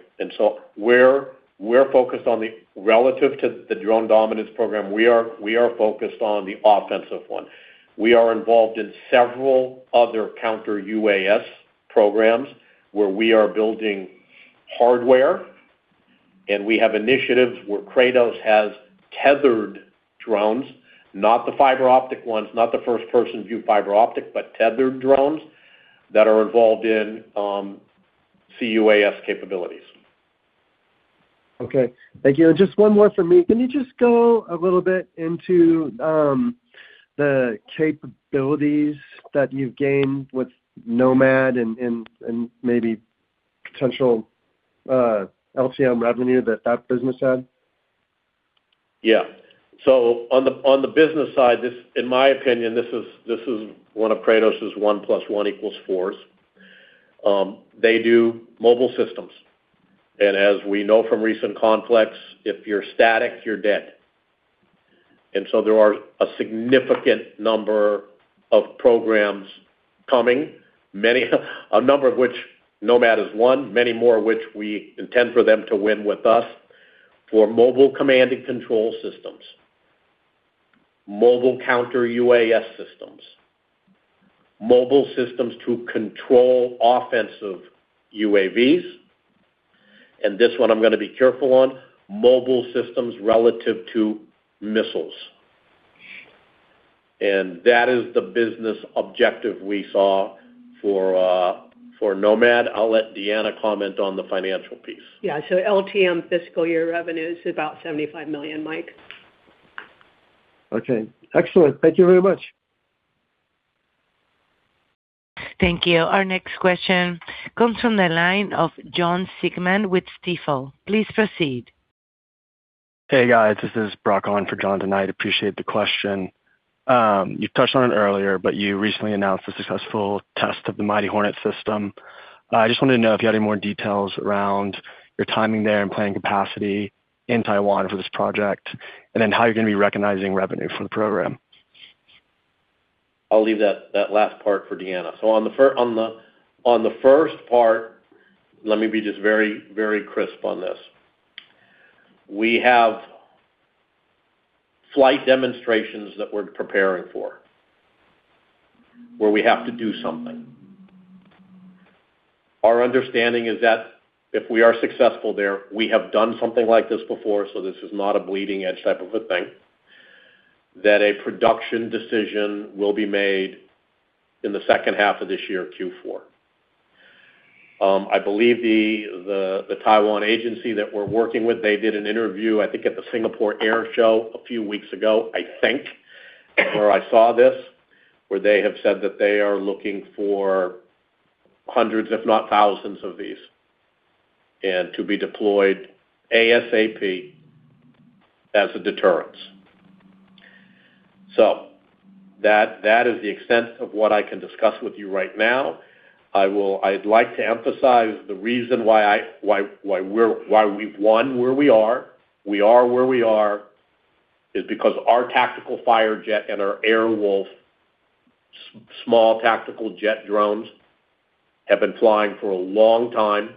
we're, we're focused on relative to the Drone Dominance program, we are, we are focused on the offensive one. We are involved in several other counter-UAS programs, where we are building hardware, and we have initiatives where Kratos has tethered drones, not the fiber optic ones, not the first-person view fiber optic, but tethered drones that are involved in C-UAS capabilities. Okay. Thank you. Just one more for me. Can you just go a little bit into the capabilities that you've gained with Nomad and maybe potential LCM revenue that that business had? Yeah, on the, on the business side, this, in my opinion, this is, this is one of Kratos' 1 plus 1 equals 4s. They do mobile systems, as we know from recent conflicts, if you're static, you're dead. There are a significant number of programs coming, many, a number of which Nomad is one, many more which we intend for them to win with us, for mobile command and control systems, mobile counter UAS systems, mobile systems to control offensive UAVs, and this one I'm gonna be careful on, mobile systems relative to missiles. That is the business objective we saw for, for Nomad. I'll let Deanna comment on the financial piece. Yeah, LTM fiscal year revenue is about $75 million, Mike. Okay, excellent. Thank you very much. Thank you. Our next question comes from the line of Jonathan Siegmann with Stifel. Please proceed. Hey, guys, this is Brock on for John tonight. Appreciate the question. You touched on it earlier, but you recently announced the successful test of the Mighty Hornet system. I just wanted to know if you had any more details around your timing there and planning capacity in Taiwan for this project, and then how you're gonna be recognizing revenue for the program? I'll leave that, that last part for Deanna. On the, on the first part, let me be just very, very crisp on this. We have flight demonstrations that we're preparing for, where we have to do something. Our understanding is that if we are successful there, we have done something like this before, so this is not a bleeding-edge type of a thing, that a production decision will be made in the second half of this year, Q4. I believe the Taiwan agency that we're working with, they did an interview, I think, at the Singapore Airshow a few weeks ago, I think, where I saw this, where they have said that they are looking for hundreds, if not thousands, of these, and to be deployed ASAP as a deterrence. That, that is the extent of what I can discuss with you right now. I'd like to emphasize the reason why I, why, why we're, why we've won where we are. We are where we are, is because our Tactical Firejet and our Air Wolf small tactical jet drones have been flying for a long time.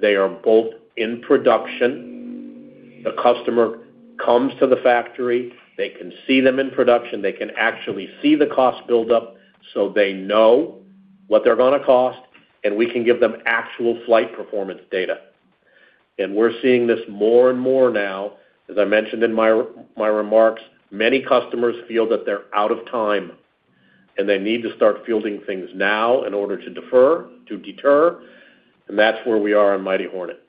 They are both in production. The customer comes to the factory, they can see them in production, they can actually see the cost build up, so they know what they're gonna cost, and we can give them actual flight performance data. We're seeing this more and more now. As I mentioned in my, my remarks, many customers feel that they're out of time, and they need to start fielding things now in order to defer, to deter, and that's where we are on Mighty Hornet.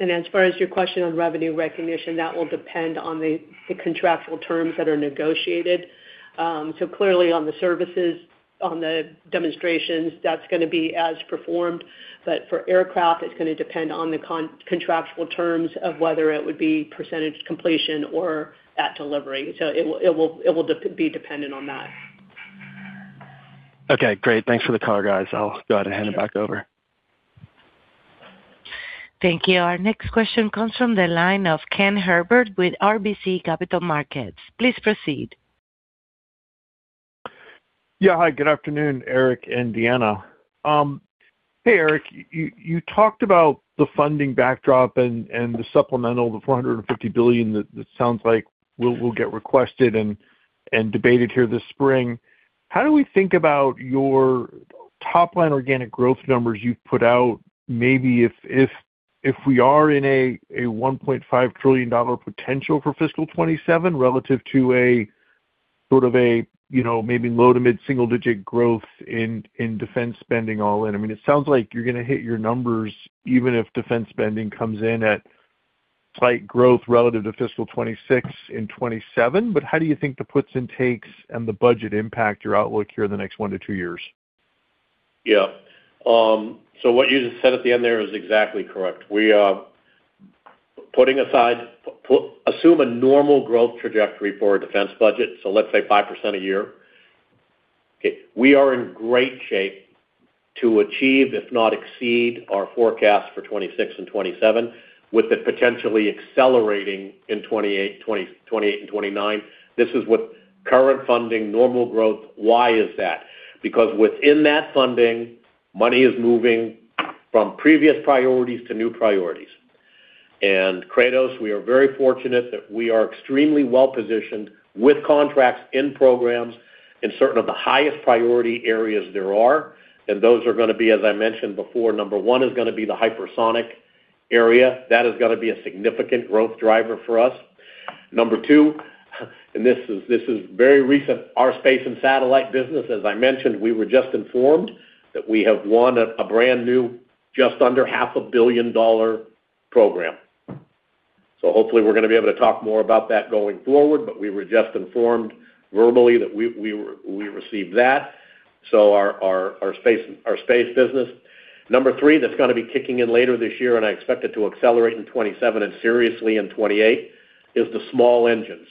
As far as your question on revenue recognition, that will depend on the contractual terms that are negotiated. Clearly, on the services, on the demonstrations, that's gonna be as performed. For aircraft, it's gonna depend on the contractual terms of whether it would be percentage completion or at delivery. It will, it will, it will be dependent on that. Okay, great. Thanks for the call, guys. I'll go ahead and hand it back over. Thank you. Our next question comes from the line of Ken Herbert with RBC Capital Markets. Please proceed. Yeah, hi, good afternoon, Eric and Deanna. Hey, Eric, you, you talked about the funding backdrop and, and the supplemental, the $450 billion, that, that sounds like will, will get requested and, and debated here this spring. How do we think about your top-line organic growth numbers you've put out, maybe if, if, if we are in a, a $1.5 trillion potential for fiscal 2027, relative to a sort of a, you know, maybe low to mid-single-digit growth in, in defense spending all in? I mean, it sounds like you're gonna hit your numbers even if defense spending comes in at slight growth relative to fiscal 2026 and 2027. How do you think the puts and takes and the budget impact your outlook here in the next 1 to 2 years? Yeah. What you just said at the end there is exactly correct. We are putting aside assume a normal growth trajectory for our defense budget, so let's say 5% a year. We are in great shape to achieve, if not exceed, our forecast for 26 and 27, with it potentially accelerating in 28 and 29. This is what current funding, normal growth. Why is that? Within that funding, money is moving from previous priorities to new priorities. Kratos, we are very fortunate that we are extremely well-positioned with contracts in programs in certain of the highest priority areas there are, and those are gonna be, as I mentioned before, number one, is gonna be the hypersonic area. That is gonna be a significant growth driver for us. Number two, this is, this is very recent, our space and satellite business. As I mentioned, we were just informed that we have won a brand-new, just under $500 million program. Hopefully, we're gonna be able to talk more about that going forward, but we were just informed verbally that we, we, we received that, so our, our, our space, our space business. Number 3, that's gonna be kicking in later this year, and I expect it to accelerate in 2027 and seriously in 2028, is the small engines.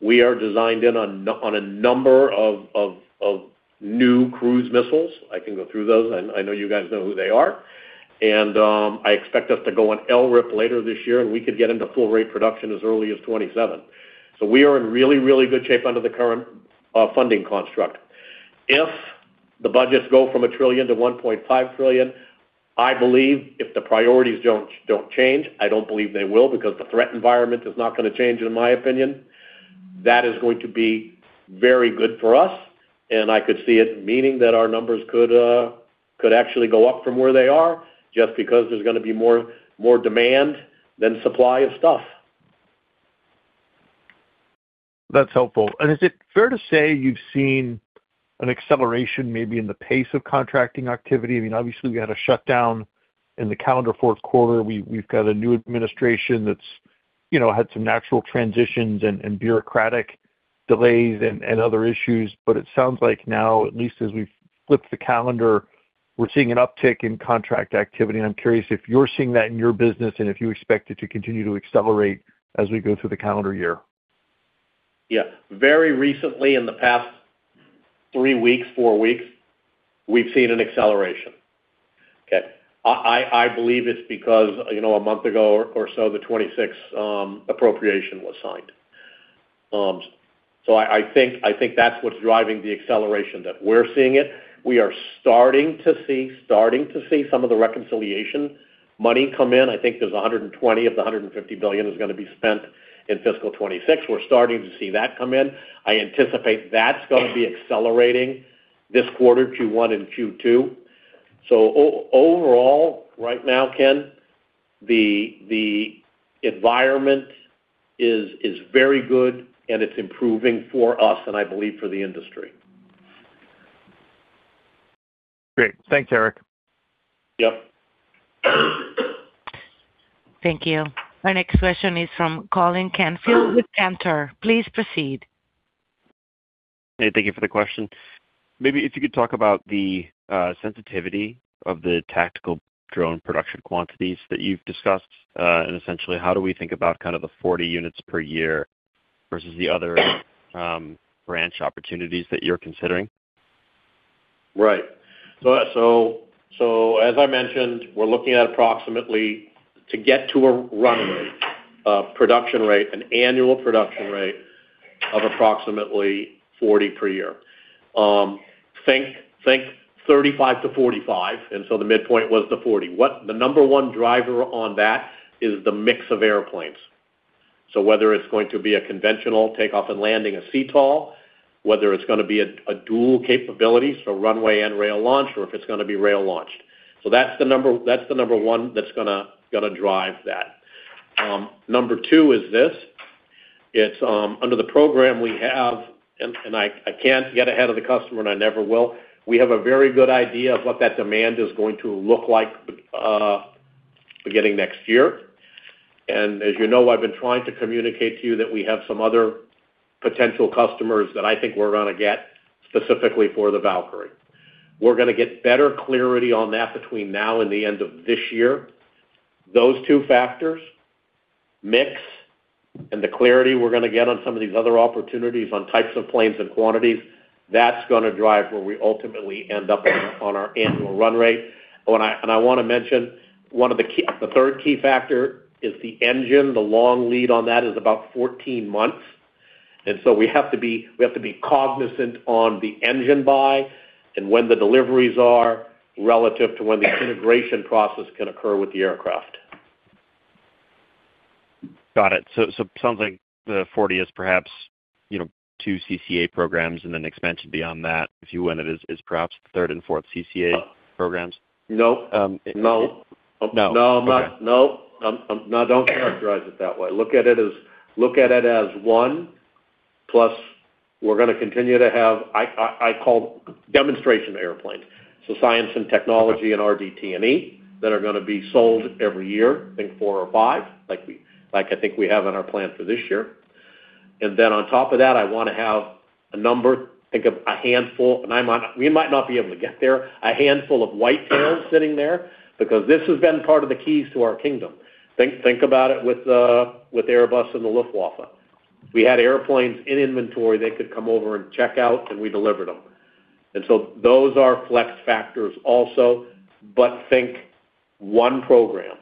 We are designed in on a number of, of, of new cruise missiles. I can go through those. I, I know you guys know who they are. I expect us to go on LRIP later this year, and we could get into full rate production as early as 2027. We are in really, really good shape under the current funding construct. the budgets go from $1 trillion to $1.5 trillion. I believe if the priorities don't, don't change, I don't believe they will, because the threat environment is not gonna change, in my opinion. That is going to be very good for us, and I could see it meaning that our numbers could, could actually go up from where they are, just because there's gonna be more, more demand than supply of stuff. That's helpful. Is it fair to say you've seen an acceleration maybe in the pace of contracting activity? I mean, obviously, we had a shutdown in the calendar Q4. We've got a new administration that's, you know, had some natural transitions and, and bureaucratic delays and, and other issues. But it sounds like now, at least as we've flipped the calendar, we're seeing an uptick in contract activity. I'm curious if you're seeing that in your business and if you expect it to continue to accelerate as we go through the calendar year. Yeah. Very recently, in the past 3 weeks, 4 weeks, we've seen an acceleration. Okay. I, I, I believe it's because, you know, a month ago or so, the 2026 appropriation was signed. I, I think, I think that's what's driving the acceleration, that we're seeing it. We are starting to see, starting to see some of the reconciliation money come in. I think there's $120 of the $150 billion is gonna be spent in fiscal 2026. We're starting to see that come in. I anticipate that's gonna be accelerating this quarter, Q1 and Q2. overall, right now, Ken, the, the environment is, is very good, and it's improving for us, and I believe for the industry. Great. Thanks, Eric. Yep. Thank you. Our next question is from Colin Canfield with Cantor. Please proceed. Hey, thank you for the question. Maybe if you could talk about the sensitivity of the tactical drone production quantities that you've discussed, and essentially, how do we think about kind of the 40 units per year versus the other branch opportunities that you're considering? Right. So, as I mentioned, we're looking at approximately, to get to a run rate, production rate, an annual production rate of approximately 40 per year. Think 35 to 45, and so the midpoint was the 40. The number one driver on that is the mix of airplanes. So whether it's going to be a conventional takeoff and landing, a CTOL, whether it's gonna be a, a dual capability, so runway and rail launch, or if it's gonna be rail launched. So that's the number one that's gonna drive that. Number two is this: it's under the program we have, and I can't get ahead of the customer, and I never will. We have a very good idea of what that demand is going to look like beginning next year. As you know, I've been trying to communicate to you that we have some other potential customers that I think we're gonna get, specifically for the Valkyrie. We're gonna get better clarity on that between now and the end of this year. Those two factors, mix and the clarity we're gonna get on some of these other opportunities on types of planes and quantities, that's gonna drive where we ultimately end up on, on our annual run rate. Oh, and I, and I wanna mention, one of the key—the third key factor is the engine. The long lead on that is about 14 months, and so we have to be, we have to be cognizant on the engine buy and when the deliveries are relative to when the integration process can occur with the aircraft. Got it. So sounds like the 40 is perhaps, you know, 2 CCA programs and then expansion beyond that, if you win it, is, is perhaps the third and fourth CCA programs. Nope. Um- No. No. No, no, don't characterize it that way. Look at it as, look at it as one, plus we're gonna continue to have, I, I, I call demonstration airplanes, so science and technology and RDT&E, that are gonna be sold every year, I think four or five, like we, like I think we have in our plan for this year. Then on top of that, I wanna have a number, think of a handful, we might not be able to get there, a handful of white tails sitting there, because this has been part of the keys to our kingdom. Think, think about it with, with Airbus and the Luftwaffe. We had airplanes in inventory they could come over and check out, and we delivered them. So those are flex factors also, but think one program.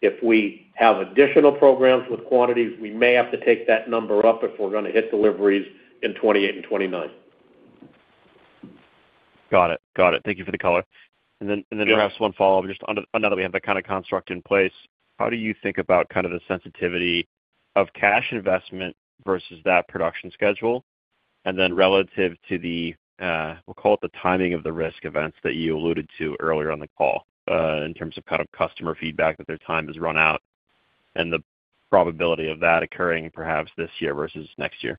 If we have additional programs with quantities, we may have to take that number up if we're gonna hit deliveries in 2028 and 2029. Got it. Got it. Thank you for the color. Yeah. Perhaps one follow-up, now that we have that kind of construct in place, how do you think about kind of the sensitivity of cash investment versus that production schedule, and then relative to the, we'll call it the timing of the risk events that you alluded to earlier on the call, in terms of kind of customer feedback, that their time has run out, and the probability of that occurring perhaps this year versus next year?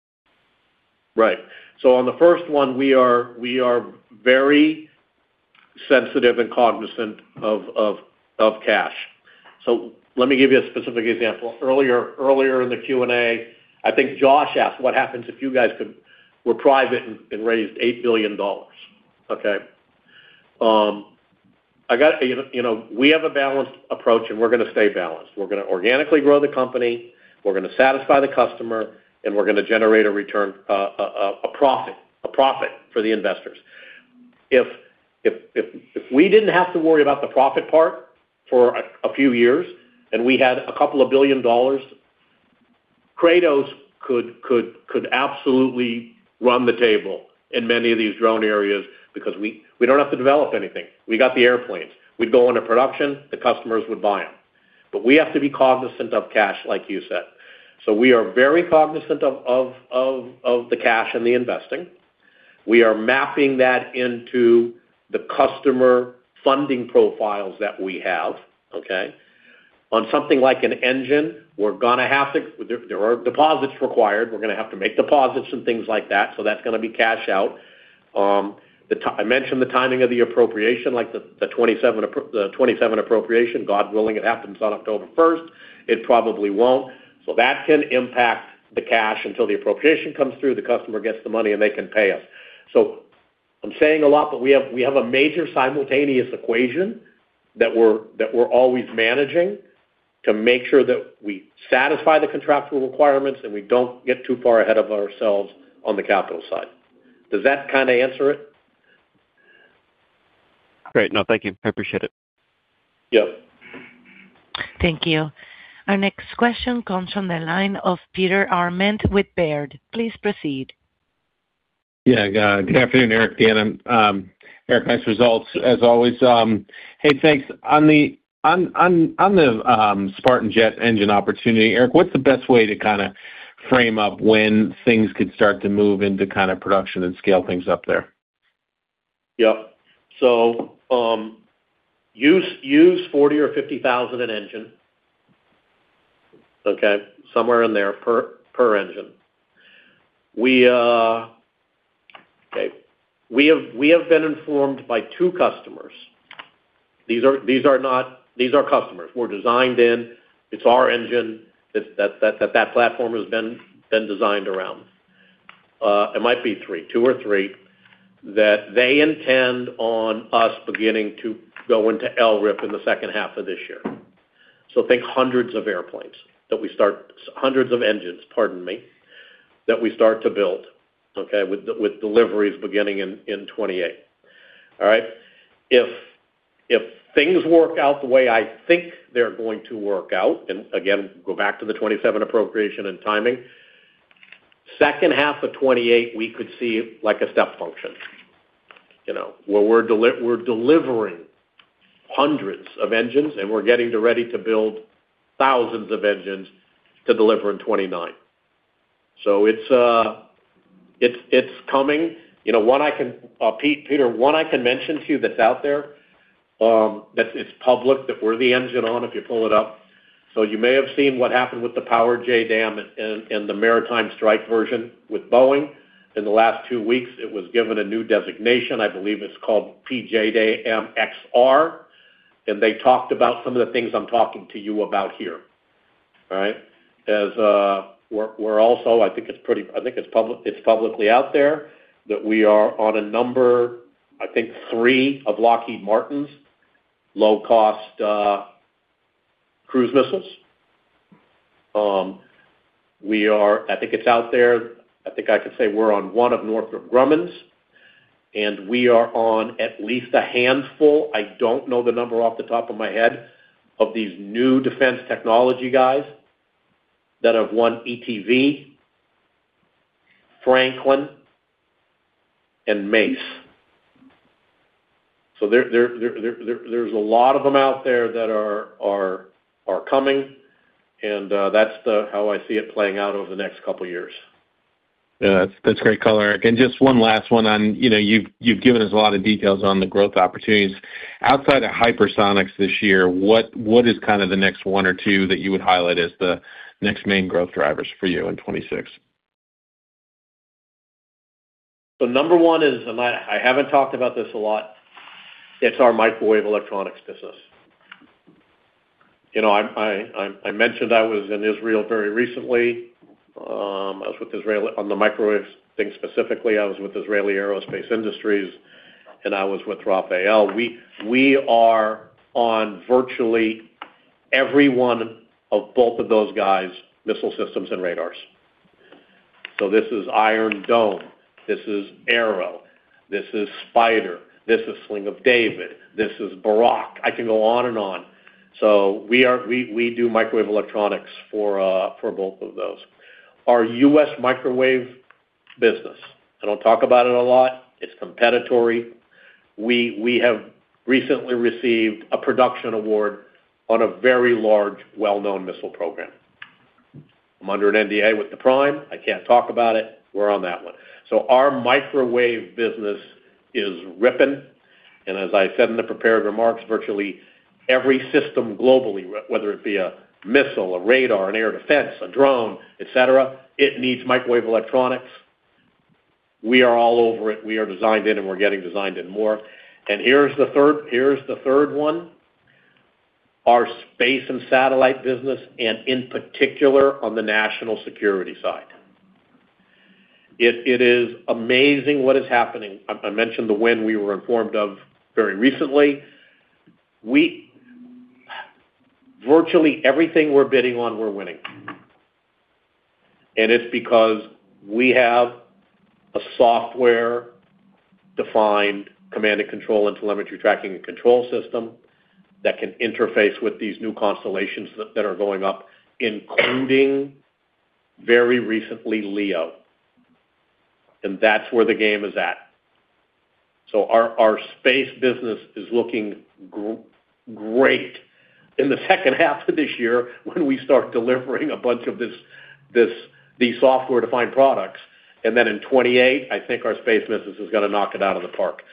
Right. On the first one, we are very sensitive and cognizant of cash. Let me give you a specific example. Earlier in the Q&A, I think Josh asked, "What happens if you guys were private and raised $8 billion?" Okay. You know, we have a balanced approach, and we're gonna stay balanced. We're gonna organically grow the company, we're gonna satisfy the customer, and we're gonna generate a return, a profit for the investors. If we didn't have to worry about the profit part for a few years and we had $2 billion. Kratos could absolutely run the table in many of these drone areas because we don't have to develop anything. We got the airplanes. We'd go into production, the customers would buy them. We have to be cognizant of cash, like you said. We are very cognizant of the cash and the investing. We are mapping that into the customer funding profiles that we have, okay? On something like an engine, there are deposits required. We're gonna have to make deposits and things like that, so that's gonna be cash out. I mentioned the timing of the appropriation, like the 2027 appropriation, God willing, it happens on October 1st. It probably won't. That can impact the cash until the appropriation comes through, the customer gets the money, and they can pay us. I'm saying a lot, but we have, we have a major simultaneous equation that we're, that we're always managing to make sure that we satisfy the contractual requirements, and we don't get too far ahead of ourselves on the capital side. Does that kind of answer it? Great. No, thank you. I appreciate it. Yep. Thank you. Our next question comes from the line of Peter Arment with Baird. Please proceed. Yeah, good afternoon, Eric and Deanna. Eric, nice results, as always. Hey, thanks. On the Spartan jet engine opportunity, Eric, what's the best way to kinda frame up when things could start to move into kind of production and scale things up there? Yep. use, use $40,000 or $50,000 an engine, okay? Somewhere in there per, per engine. We have, we have been informed by 2 customers. These are customers. We're designed in, it's our engine, that platform has been designed around. It might be 3, 2 or 3, that they intend on us beginning to go into LRIP in the second half of this year. Think hundreds of airplanes, hundreds of engines, pardon me, that we start to build, with the, with deliveries beginning in, in 2028. All right? If, if things work out the way I think they're going to work out, and again, go back to the 2027 appropriation and timing, second half of 2028, we could see, like, a step function. You know, where we're we're delivering hundreds of engines, and we're getting to ready to build thousands of engines to deliver in 2029. It's, it's coming. You know, one I can Peter, one I can mention to you that's out there, that it's public, that we're the engine on, if you pull it up. You may have seen what happened with the Powered JDAM in, in the maritime strike version with Boeing. In the last 2 weeks, it was given a new designation. I believe it's called PJDAM-XR, and they talked about some of the things I'm talking to you about here. All right? We're, we're also, I think it's public, it's publicly out there, that we are on a number, I think, 3 of Lockheed Martin's low-cost, cruise missiles. We are— I think it's out there. I think I can say we're on one of Northrop Grumman's, and we are on at least a handful, I don't know the number off the top of my head, of these new defense technology guys that have won ETV, Franklin, and MACE. There, there, there, there, there's a lot of them out there that are, are, are coming, and that's the how I see it playing out over the next couple of years. Yeah, that's, that's great color, Eric. Just one last one on, you know, you've, you've given us a lot of details on the growth opportunities. Outside of hypersonics this year, what, what is kind of the next one or two that you would highlight as the next main growth drivers for you in 2026? Number one is, and I, I haven't talked about this a lot, it's our microwave electronics business. You know, I, I, I, I mentioned I was in Israel very recently. I was with Israeli—on the microwave thing specifically, I was with Israel Aerospace Industries, and I was with Rafael. We, we are on virtually every one of both of those guys' missile systems and radars. This is Iron Dome, this is Arrow, this is SPYDER, this is David's Sling, this is Barak. I can go on and on. We are—we, we do microwave electronics for, for both of those. Our U.S. microwave business, I don't talk about it a lot. It's proprietary. We, we have recently received a production award on a very large, well-known missile program. I'm under an NDA with the prime. I can't talk about it. We're on that one. Our microwave business is ripping, and as I said in the prepared remarks, virtually every system globally, whether it be a missile, a radar, an air defense, a drone, et cetera, it needs microwave electronics. We are all over it. We are designed in, and we're getting designed in more. here's the third, here's the third one, our space and satellite business, and in particular, on the national security side. It is amazing what is happening. I mentioned the win we were informed of very recently. Virtually everything we're bidding on, we're winning. It's because we have a software-defined command and control and telemetry tracking and control system that can interface with these new constellations that are going up, including very recently, LEO. That's where the game is at. Our, our space business is looking great in the second half of this year, when we start delivering a bunch of this, the software-defined products. Then in 2028, I think our space business is gonna knock it out of the park.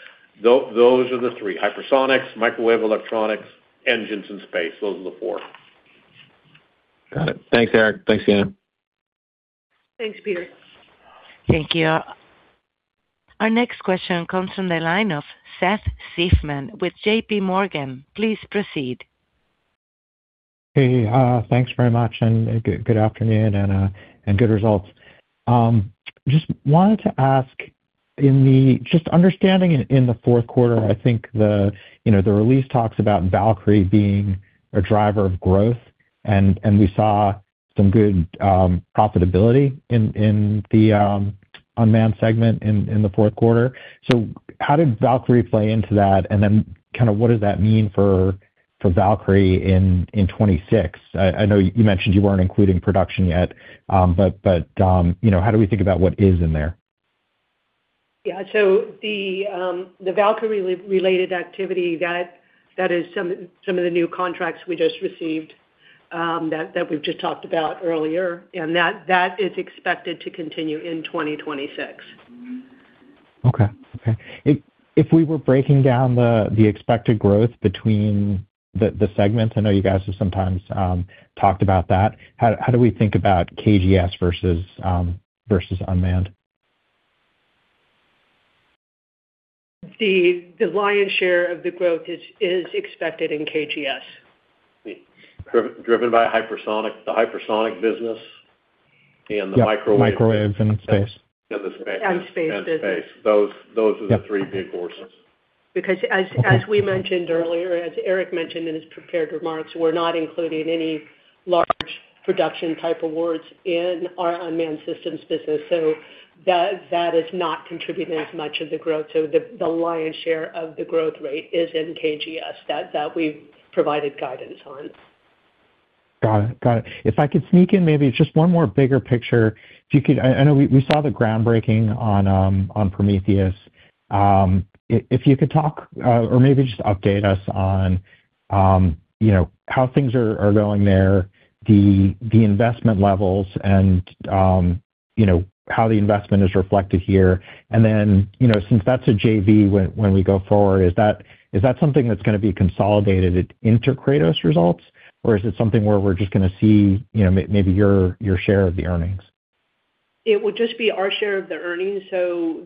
Those are the three, hypersonics, microwave, electronics, engines, and space. Those are the four. Got it. Thanks, Eric. Thanks, Deanna. Thanks, Peter. Thank you. Our next question comes from the line of Seth Seifman with JPMorgan. Please proceed. Hey, thanks very much, and good, good afternoon, and good results. Just wanted to ask, in the-- just understanding in, in the Q4, I think the, you know, the release talks about Valkyrie being a driver of growth, and we saw some good profitability in, in the unmanned segment in, in the Q4. How did Valkyrie play into that? Then kind of, what does that mean for, for Valkyrie in 2026? I, I know you mentioned you weren't including production yet, but, but, you know, how do we think about what is in there? The Valkyrie related activity, that is some of the new contracts we just received, that we've just talked about earlier, and that is expected to continue in 2026. Okay. Okay. If, if we were breaking down the, the expected growth between the, the segments, I know you guys have sometimes talked about that. How, how do we think about KGS versus versus unmanned? The lion's share of the growth is expected in KGS. driven by hypersonic, the hypersonic business and the microwave- Yeah, microwaves and space. The space. space business. Space. Those, those are the three big horses. Because as, as we mentioned earlier, as Eric mentioned in his prepared remarks, we're not including any large production type awards in our unmanned systems business. That, that is not contributing as much of the growth. The, the lion's share of the growth rate is in KGS, that, that we've provided guidance on. Got it. Got it. If I could sneak in maybe just one more bigger picture. If you could, I know we saw the groundbreaking on Prometheus. If you could talk, or maybe just update us on, you know, how things are going there, the investment levels and, you know, how the investment is reflected here. Then, you know, since that's a JV, when we go forward, is that something that's gonna be consolidated into Kratos results? Or is it something where we're just gonna see, you know, maybe your, your share of the earnings? It would just be our share of the earnings.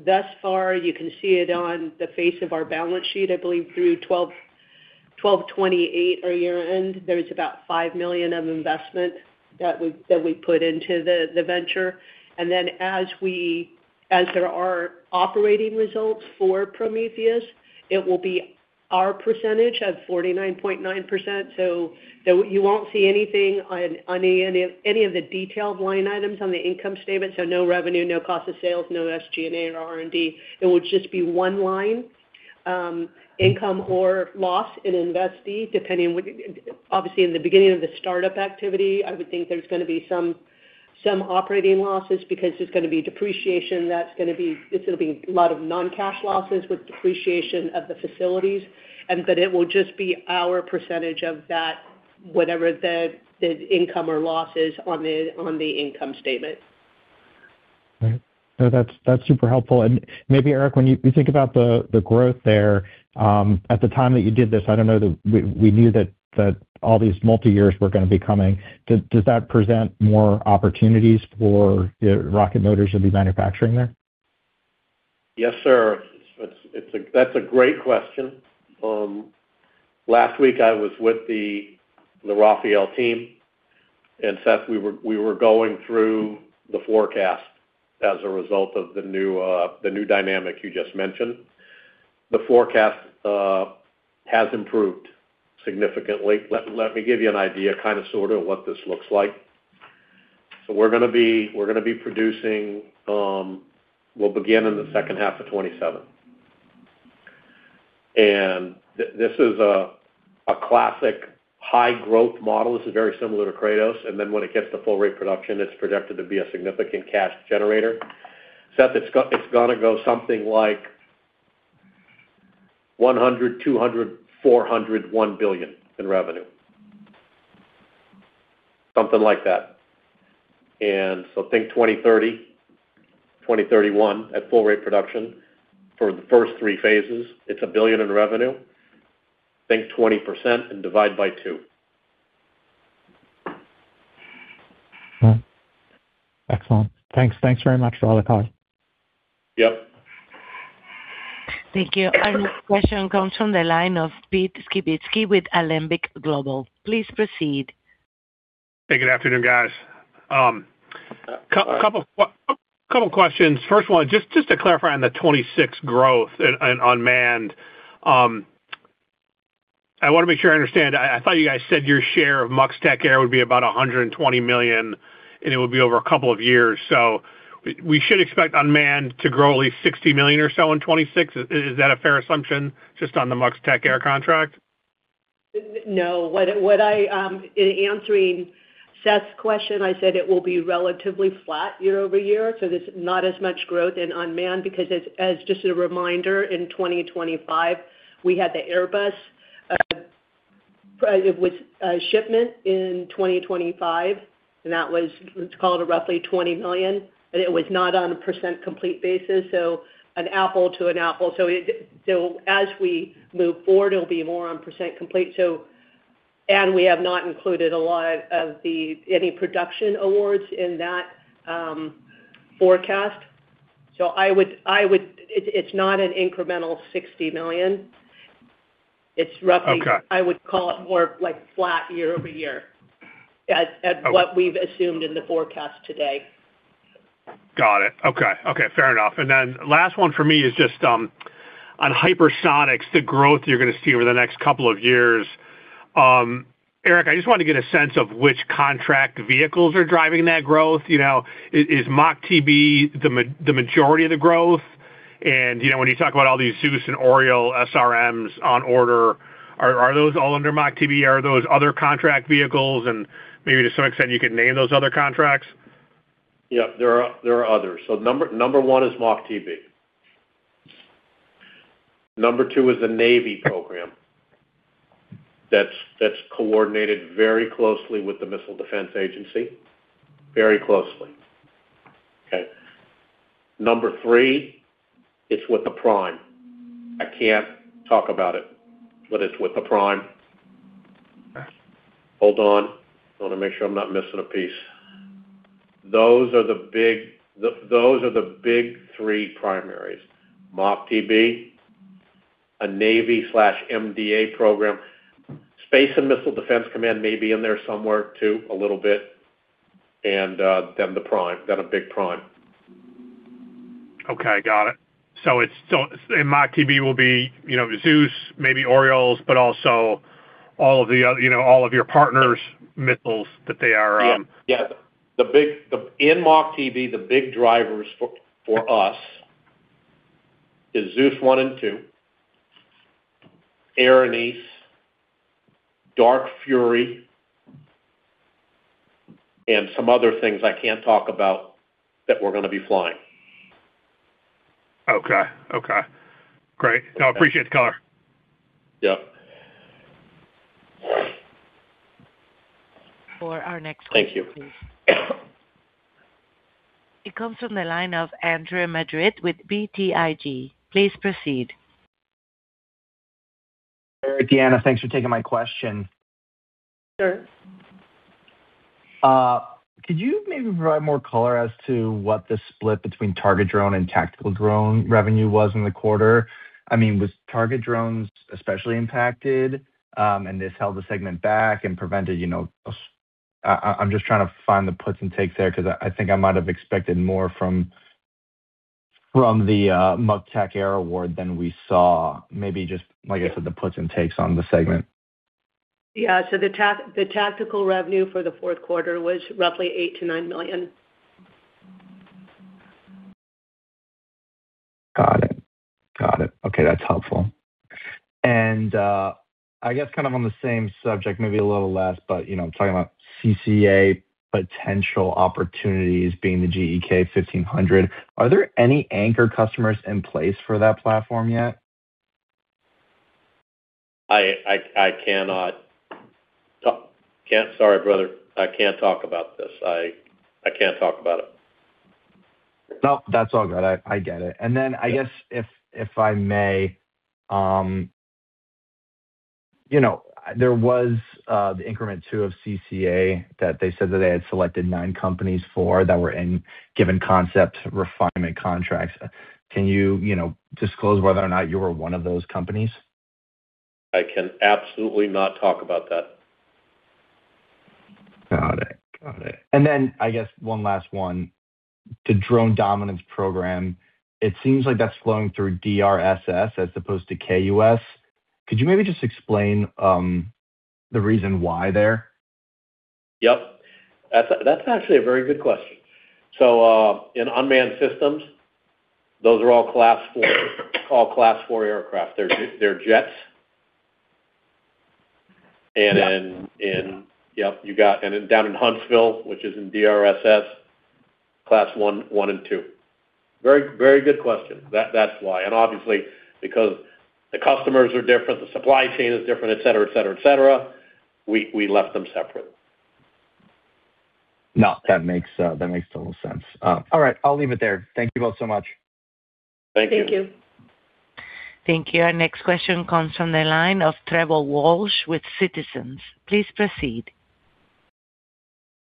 Thus far, you can see it on the face of our balance sheet. I believe through 12/12/2028, our year-end, there was about $5 million of investment that we, that we put into the, the venture. As there are operating results for Prometheus, it will be our percentage of 49.9%. You won't see anything on, on any, any of the detailed line items on the income statement. No revenue, no cost of sales, no SG&A or R&D. It would just be one line, income or loss in investee, depending what. Obviously, in the beginning of the startup activity, I would think there's gonna be some, some operating losses because there's gonna be depreciation. That's gonna be. It's gonna be a lot of non-cash losses with depreciation of the facilities, and that it will just be our percentage of that, whatever the, the income or loss is on the, on the income statement. Right. No, that's, that's super helpful. Maybe, Eric, when you, you think about the, the growth there, at the time that you did this, I don't know that we, we knew that, that all these multi-years were gonna be coming. Does, does that present more opportunities for the rocket motors you'll be manufacturing there? Yes, sir. It's, it's a That's a great question. Last week, I was with the Rafael team, Seth, we were going through the forecast as a result of the new dynamic you just mentioned. The forecast has improved significantly. Let me give you an idea, kind of, sort of, what this looks like. We're gonna be producing. We'll begin in the second half of 2027. This is a classic high growth model. This is very similar to Kratos, then when it gets to full rate production, it's projected to be a significant cash generator. Seth, it's gonna go something like $100 million, $200 million, $400 million, $1 billion in revenue. Something like that. Think 2030, 2031 at full rate production for the first three phases. It's $1 billion in revenue. Think 20% and divide by 2. Hmm. Excellent. Thanks. Thanks very much for all the color. Yep. Thank you. Our next question comes from the line of Pete Skibitski with Alembic Global. Please proceed. Hey, good afternoon, guys. couple of questions. First one, just, just to clarify on the 2026 growth on, on unmanned, I want to make sure I understand. I, I thought you guys said your share of MUX TACAIR would be about $120 million, and it would be over a couple of years. We, we should expect unmanned to grow at least $60 million or so in 2026. Is, is that a fair assumption, just on the MUX TACAIR contract? No. What, what I, in answering Seth's question, I said it will be relatively flat year-over-year, so there's not as much growth in unmanned because as, as just a reminder, in 2025, we had the Airbus, with shipment in 2025, and that was, let's call it roughly $20 million, and it was not on a % complete basis, so an apple to an apple. It, so as we move forward, it'll be more on % complete. And we have not included a lot of the, any production awards in that, forecast. I would, I would, it, it's not an incremental $60 million. Okay. It's roughly, I would call it more like flat year-over-year, at what we've assumed in the forecast today. Got it. Okay. Okay, fair enough. Then last one for me is just on hypersonics, the growth you're going to see over the next couple of years. Eric, I just want to get a sense of which contract vehicles are driving that growth. You know, is, is MACH-TB the majority of the growth? You know, when you talk about all these Zeus and Oriole SRMs on order, are, are those all under MACH-TB, are those other contract vehicles? Maybe to some extent, you could name those other contracts. Yep, there are, there are others. Number one is MACH-TB. Number two is the Navy program. That's coordinated very closely with the Missile Defense Agency. Very closely. Okay? Number three, it's with the Prime. I can't talk about it, but it's with the Prime. Hold on. I want to make sure I'm not missing a piece. Those are the big three primaries. MACH-TB, a Navy/MDA program. Space and Missile Defense Command may be in there somewhere, too, a little bit, and then the Prime, then a big Prime. Okay, got it. MACH-TB will be, you know, Zeus, maybe Orioles, but also all of the other, you know, all of your partners' missiles that they are. Yeah. The in MACH-TB, the big drivers for, for us is Zeus 1 and 2, Erinyes, Dark Fury, and some other things I can't talk about that we're gonna be flying. Okay. Okay, great. No, I appreciate the color. Yep. For our next question. Thank you. It comes from the line of Andre Madrid with BTIG. Please proceed. Deanna, thanks for taking my question. Sure. Could you maybe provide more color as to what the split between target drone and tactical drone revenue was in the quarter? I mean, was target drones especially impacted, and this held the segment back and prevented, you know. I, I, I'm just trying to find the puts and takes there because I, I think I might have expected more from, from the MUX TACAIR award than we saw. Maybe just, like I said, the puts and takes on the segment. Yeah, the tactical revenue for the Q4 was roughly $8 million-$9 million. Got it. Got it. Okay, that's helpful. I guess kind of on the same subject, maybe a little less, but you know, talking about CCA potential opportunities being the GEK 1500, are there any anchor customers in place for that platform yet? I, I, I cannot talk. Sorry, brother, I can't talk about this. I, I can't talk about it. No, that's all good. I, I get it. Then I guess if, if I may, you know, there was, the increment two of CCA that they said that they had selected 9 companies for, that were in given concept refinement contracts. Can you, you know, disclose whether or not you were one of those companies? I can absolutely not talk about that. Got it. Got it. I guess 1 last one. The Drone Dominance Program, it seems like that's flowing through DRSS as opposed to KUS. Could you maybe just explain the reason why there? Yep. That's, that's actually a very good question. In unmanned systems, those are all Class IV, all Class IV aircraft. They're, they're jets. Then in Yep, you got and then down in Huntsville, which is in DRSS, Class 1, 1, and 2. Very, very good question. That-that's why. Obviously, because the customers are different, the supply chain is different, et cetera, et cetera, et cetera, we, we left them separate. No, that makes, that makes total sense. All right, I'll leave it there. Thank you both so much. Thank you. Thank you. Our next question comes from the line of Trevor Walsh with Citizens. Please proceed.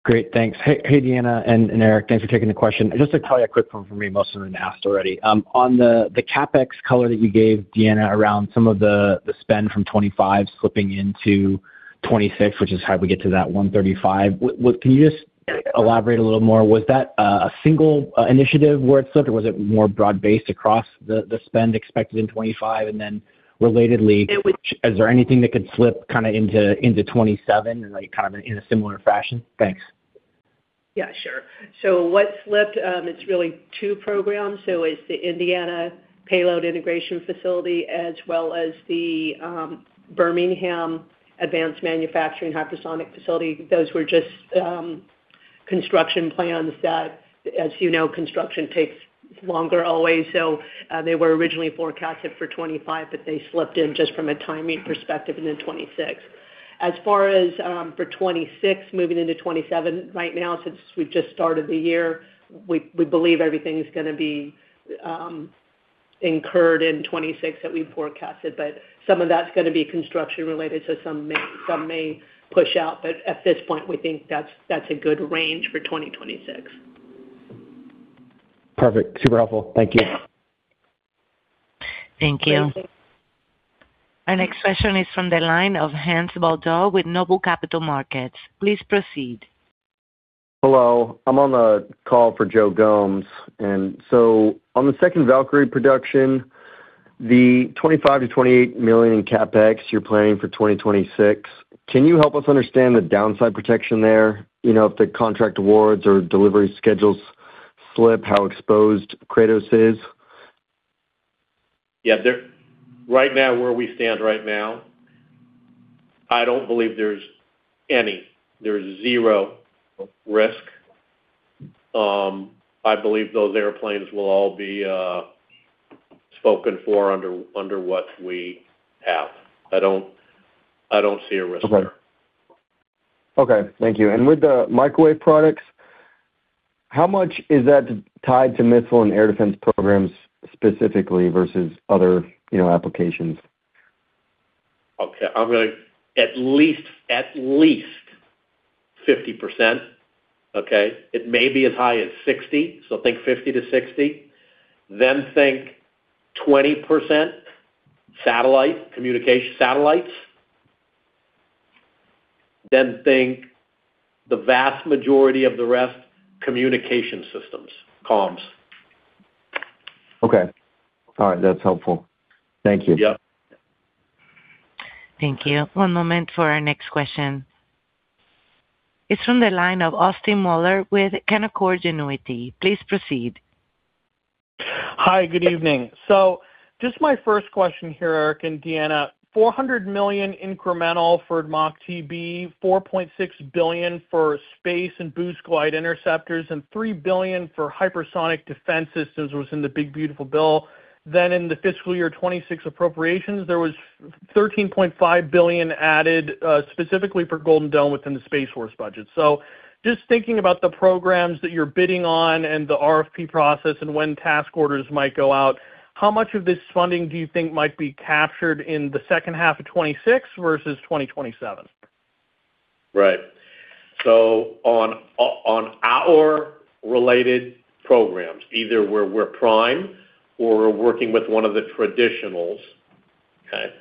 Great, thanks. Hey, hey, Deanna and, and Eric, thanks for taking the question. Just probably a quick one for me, most of them have been asked already. On the, the CapEx color that you gave, Deanna, around some of the, the spend from 25 slipping into 26, which is how we get to that $135. Can you just elaborate a little more? Was that a single initiative where it slipped, or was it more broad-based across the, the spend expected in 25? Then relatedly, is there anything that could slip kinda into, into 27 and, like, kind of in a similar fashion? Thanks. Yeah, sure. What slipped, it's really two programs. It's the Indiana Payload Integration Facility as well as the Birmingham Advanced Manufacturing Hypersonic Facility. Those were just construction plans that, as you know, construction takes longer always. They were originally forecasted for 2025, but they slipped in just from a timing perspective, and then 2026. For 2026, moving into 2027, right now, since we've just started the year, we, we believe everything is gonna be incurred in 2026 that we forecasted, but some of that's gonna be construction related, so some may, some may push out, but at this point, we think that's, that's a good range for 2026. Perfect. Super helpful. Thank you. Thank you. Our next question is from the line of Hans Baldau with NOBLE Capital Markets. Please proceed. Hello, I'm on the call for Joe Gomes. On the second Valkyrie production, the $25 million-$28 million in CapEx you're planning for 2026, can you help us understand the downside protection there? You know, if the contract awards or delivery schedules slip, how exposed Kratos is? Yeah. Right now, where we stand right now, I don't believe there's any. There's 0 risk. I believe those airplanes will all be spoken for under, under what we have. I don't, I don't see a risk there. Okay. Thank you. With the microwave products, how much is that tied to missile and air defense programs specifically versus other, you know, applications? Okay, I'm gonna at least, at least 50%, okay? It may be as high as 60, so think 50%-60%. Think 20% satellite, communication satellites. Think the vast majority of the rest, communication systems, comms. Okay. All right. That's helpful. Thank you. Yep. Thank you. One moment for our next question. It's from the line of Austin Moeller with Canaccord Genuity. Please proceed. Hi, good evening. Just my first question here, Eric and Deanna, $400 million incremental for MACH-TB, $4.6 billion for space and boost glide interceptors, and $3 billion for hypersonic defense systems was in the big, beautiful bill. In the fiscal year 2026 appropriations, there was $13.5 billion added specifically for Golden Dawn within the Space Force budget. Just thinking about the programs that you're bidding on and the RFP process and when task orders might go out, how much of this funding do you think might be captured in the second half of 2026 versus 2027? Right. On our related programs, either we're prime or we're working with one of the traditionals, okay?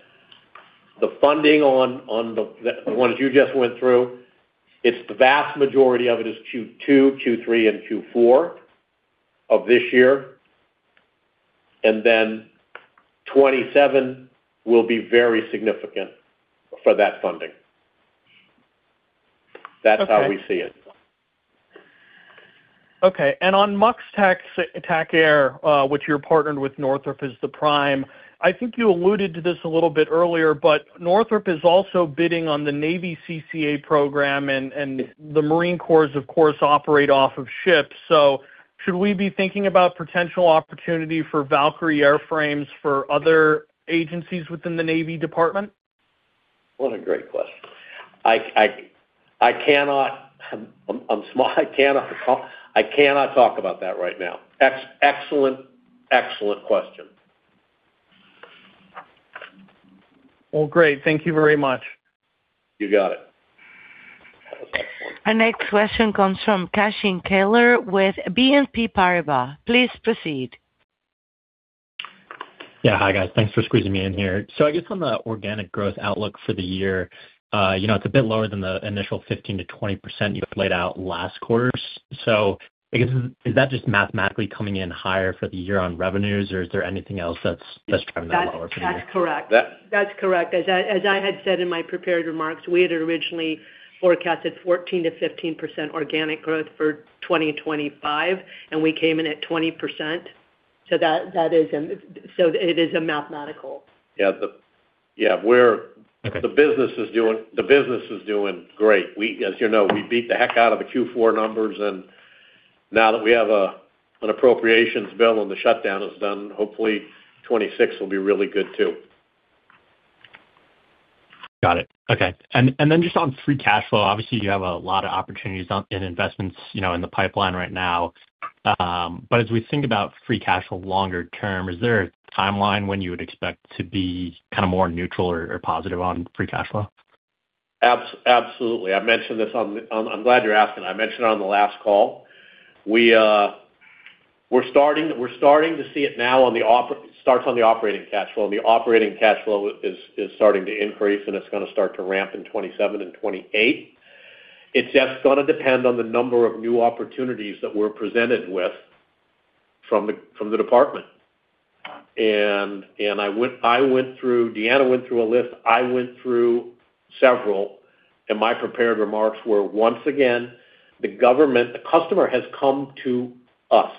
The funding on the ones you just went through, it's the vast majority of it is Q2, Q3, and Q4 of this year, and then 2027 will be very significant for that funding. Okay. That's how we see it. Okay. On MUX/TACAIR, which you're partnered with, Northrop is the prime. I think you alluded to this a little bit earlier, Northrop is also bidding on the Navy CCA program, and the Marine Corps, of course, operate off of ships. Should we be thinking about potential opportunity for Valkyrie airframes for other agencies within the Navy Department? What a great question. I cannot, I cannot talk, I cannot talk about that right now. Excellent, excellent question. Well, great. Thank you very much. You got it. Our next question comes from Kashyin Kailer with BNP Paribas. Please proceed. Yeah. Hi, guys. Thanks for squeezing me in here. I guess on the organic growth outlook for the year, you know, it's a bit lower than the initial 15%-20% you had laid out last quarter. I guess, is, is that just mathematically coming in higher for the year on revenues, or is there anything else that's, that's driving that lower? That's, that's correct. That- That's correct. As I, as I had said in my prepared remarks, we had originally forecasted 14%-15% organic growth for 2025, and we came in at 20%. That, that is a—so it is a mathematical. Yeah, we're. Okay. The business is doing, the business is doing great. We, as you know, we beat the heck out of the Q4 numbers. Now that we have an appropriations bill and the shutdown is done, hopefully, 2026 will be really good too. Got it. Okay. Then just on free cash flow, obviously, you have a lot of opportunities in investments, you know, in the pipeline right now. As we think about free cash flow longer term, is there a timeline when you would expect to be kind of more neutral or, or positive on free cash flow? Absolutely. I mentioned this on the... I'm glad you're asking. I mentioned on the last call, we're starting, we're starting to see it now on the starts on the operating cash flow. The operating cash flow is starting to increase, and it's gonna start to ramp in 2027 and 2028. It's just gonna depend on the number of new opportunities that we're presented with from the, from the Department. I went, I went through, Deanna went through a list, I went through several, and my prepared remarks were, once again, the government, the customer has come to us,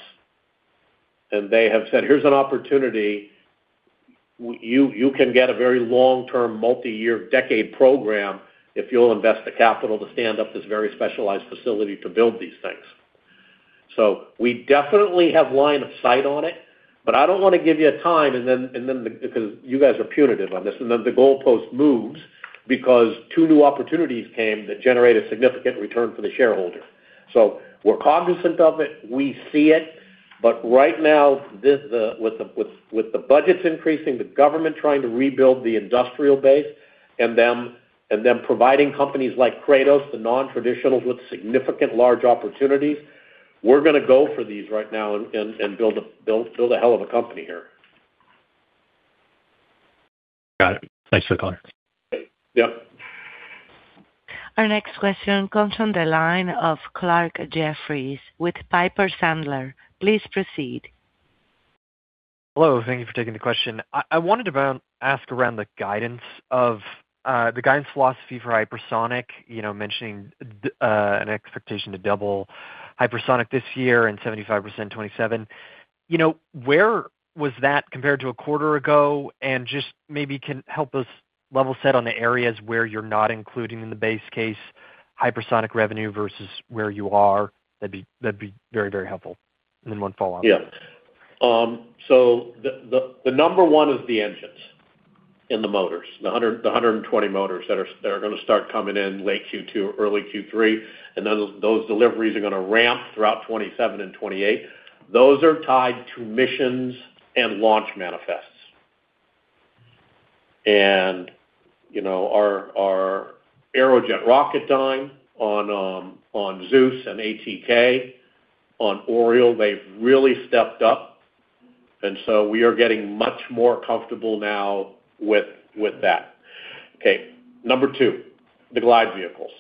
and they have said: "Here's an opportunity. You, you can get a very long-term, multi-year decade program if you'll invest the capital to stand up this very specialized facility to build these things. We definitely have line of sight on it, but I don't wanna give you a time, and then because you guys are punitive on this, and then the goalpost moves because two new opportunities came that generate a significant return for the shareholder. We're cognizant of it. We see it, but right now, this, with the budgets increasing, the government trying to rebuild the industrial base, and them providing companies like Kratos, the non-traditionals, with significant large opportunities, we're gonna go for these right now and build a hell of a company here. Got it. Thanks for the call. Yep. Our next question comes from the line of Clarke Jeffries with Piper Sandler. Please proceed. Hello. Thank you for taking the question. I wanted to ask around the guidance of the guidance philosophy for hypersonic, you know, mentioning an expectation to double hypersonic this year and 75% in 2027. You know, where was that compared to a quarter ago? Just maybe can help us level set on the areas where you're not including in the base case, hypersonic revenue versus where you are. That'd be, that'd be very, very helpful. Then one follow-up. Yeah. So the, the, the number 1 is the engines and the motors, the 120 motors that are, that are gonna start coming in late Q2, early Q3, then those, those deliveries are gonna ramp throughout 2027 and 2028. Those are tied to missions and launch manifests. You know, our, our Aerojet Rocketdyne on Zeus and ATK, on Oriole, they've really stepped up, so we are getting much more comfortable now with, with that. Okay, number 2, the glide vehicles.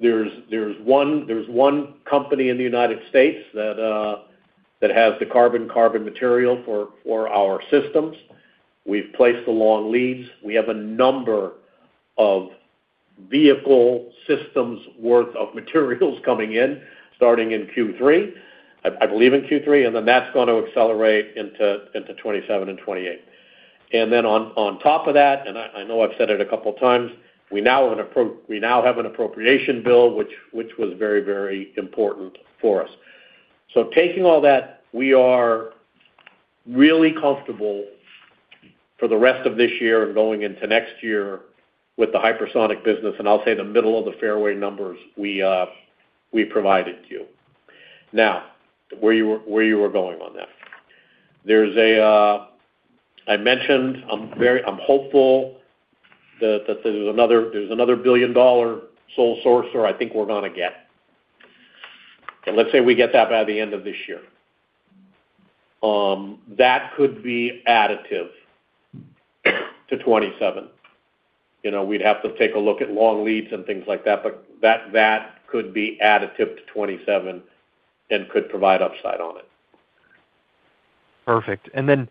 There's, there's 1, there's 1 company in the United States that has the carbon-carbon material for, for our systems. We've placed the long leads. We have a number of vehicle systems worth of materials coming in, starting in Q3, I, I believe in Q3, then that's gonna accelerate into, into 2027 and 2028. Then on, on top of that, and I, I know I've said it a couple times, we now have an appropriation bill, which was very, very important for us. Taking all that, we are really comfortable for the rest of this year and going into next year with the hypersonic business, and I'll say the middle of the fairway numbers we provided to you. Where you were going on that. There's a, I mentioned, I'm hopeful that there's another $1 billion sole sourcer I think we're gonna get. Let's say we get that by the end of this year. That could be additive to 2027. You know, we'd have to take a look at long leads and things like that, but that, that could be additive to 2027 and could provide upside on it. Perfect. Then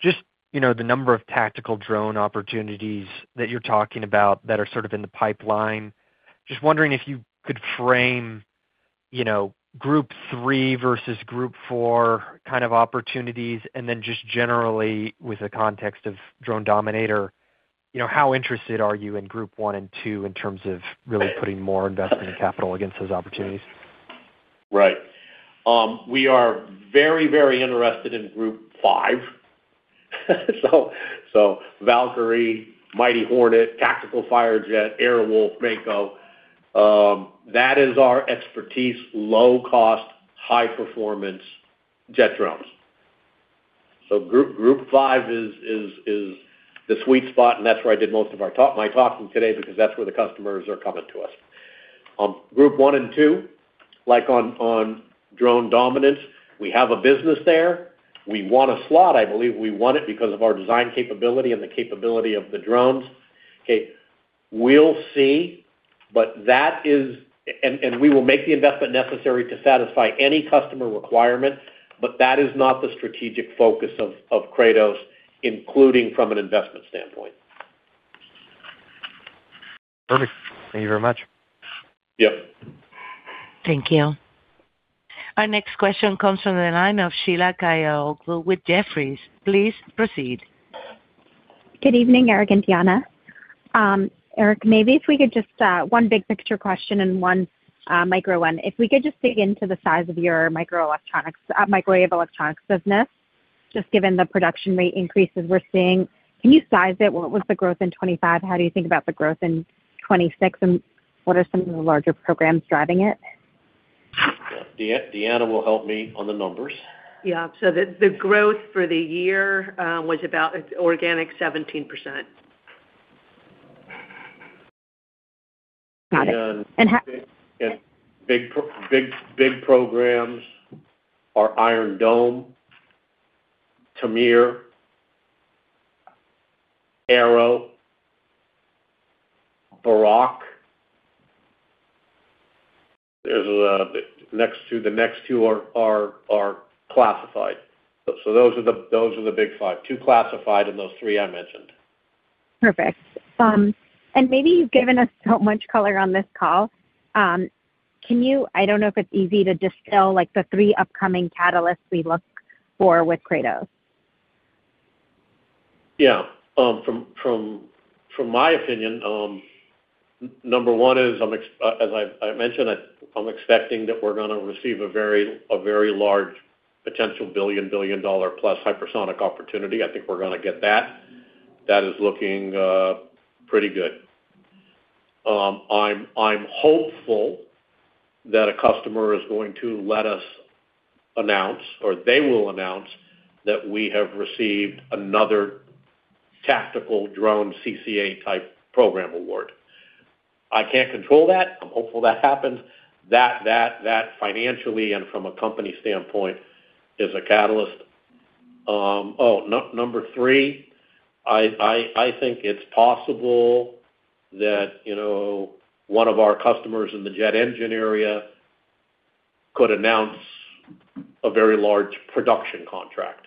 just, you know, the number of tactical drone opportunities that you're talking about that are sort of in the pipeline, just wondering if you could frame, you know, group 3 versus group 4 kind of opportunities, and then just generally, with the context of Drone Dominator, you know, how interested are you in group 1 and 2 in terms of really putting more investment and capital against those opportunities? Right. We are very, very interested in Group 5. Valkyrie, Mighty Hornet, Tactical Firejet, Air Wolf, Mako, that is our expertise, low cost, high performance jet drones. Group 5 is the sweet spot, and that's where I did most of our talk, my talking today, because that's where the customers are coming to us. Group 1 and 2, like on Drone Dominance, we have a business there. We want a slot. I believe we want it because of our design capability and the capability of the drones. Okay, we'll see, but that is. We will make the investment necessary to satisfy any customer requirement, but that is not the strategic focus of Kratos, including from an investment standpoint. Perfect. Thank you very much. Yep. Thank you. Our next question comes from the line of Sheila Kahyaoglu with Jefferies. Please proceed. Good evening, Eric and Deanna. Eric, maybe if we could just, one big picture question and one, micro one. If we could just dig into the size of your microelectronics, Microwave Electronics business, just given the production rate increases we're seeing. Can you size it? What was the growth in 2025? How do you think about the growth in 2026, and what are some of the larger programs driving it? Yeah, Deanna will help me on the numbers. Yeah, so the, the growth for the year, was about organic 17%. Got it. how- Big, big programs are Iron Dome, Tamir, Arrow, Barak. There's next 2, the next 2 are, are, are classified. Those are the big 5, 2 classified, and those 3 I mentioned. Perfect. Maybe you've given us so much color on this call. Can you, I don't know if it's easy to distill, like, the three upcoming catalysts we look for with Kratos? Yeah. From, from, from my opinion, number one is, I'm as I, I mentioned, I, I'm expecting that we're gonna receive a very, a very large potential billion, billion-dollar plus hypersonic opportunity. I think we're gonna get that. That is looking pretty good. I'm, I'm hopeful that a customer is going to let us announce, or they will announce, that we have received another tactical drone CCA-type program award. I can't control that. I'm hopeful that happens. That, that, that financially and from a company standpoint is a catalyst. Oh, number three, I, I, I think it's possible that, you know, one of our customers in the jet engine area could announce a very large production contract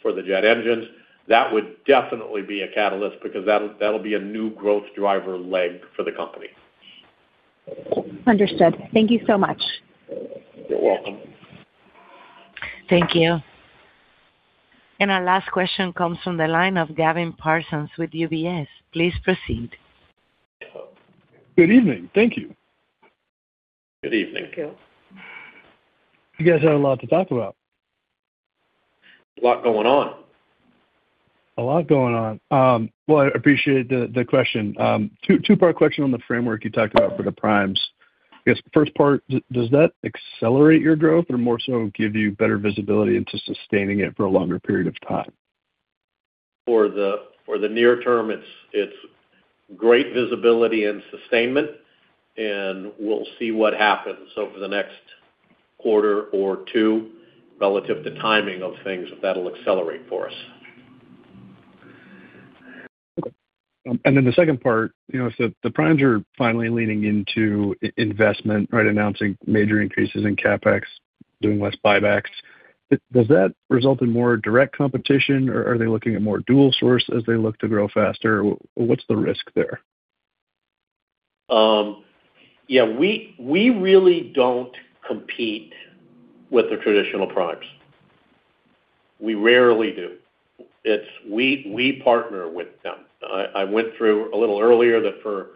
for the jet engines. That would definitely be a catalyst because that'll, that'll be a new growth driver leg for the company. Understood. Thank you so much. You're welcome. Thank you. Our last question comes from the line of Gavin Parsons with UBS. Please proceed. Good evening. Thank you. Good evening. Thank you. You guys have a lot to talk about. A lot going on. A lot going on. Well, I appreciate the, the question. Two-part question on the framework you talked about for the primes. I guess, first part, does that accelerate your growth or more so give you better visibility into sustaining it for a longer period of time? For the, for the near term, it's, it's great visibility and sustainment, and we'll see what happens over the next quarter or two relative to timing of things that'll accelerate for us. Okay. Then the second part, you know, the primes are finally leaning into investment, right, announcing major increases in CapEx, doing less buybacks. Does that result in more direct competition, or are they looking at more dual source as they look to grow faster? What's the risk there? Yeah, we, we really don't compete with the traditional primes. We rarely do. It's. We, we partner with them. I, I went through a little earlier that for,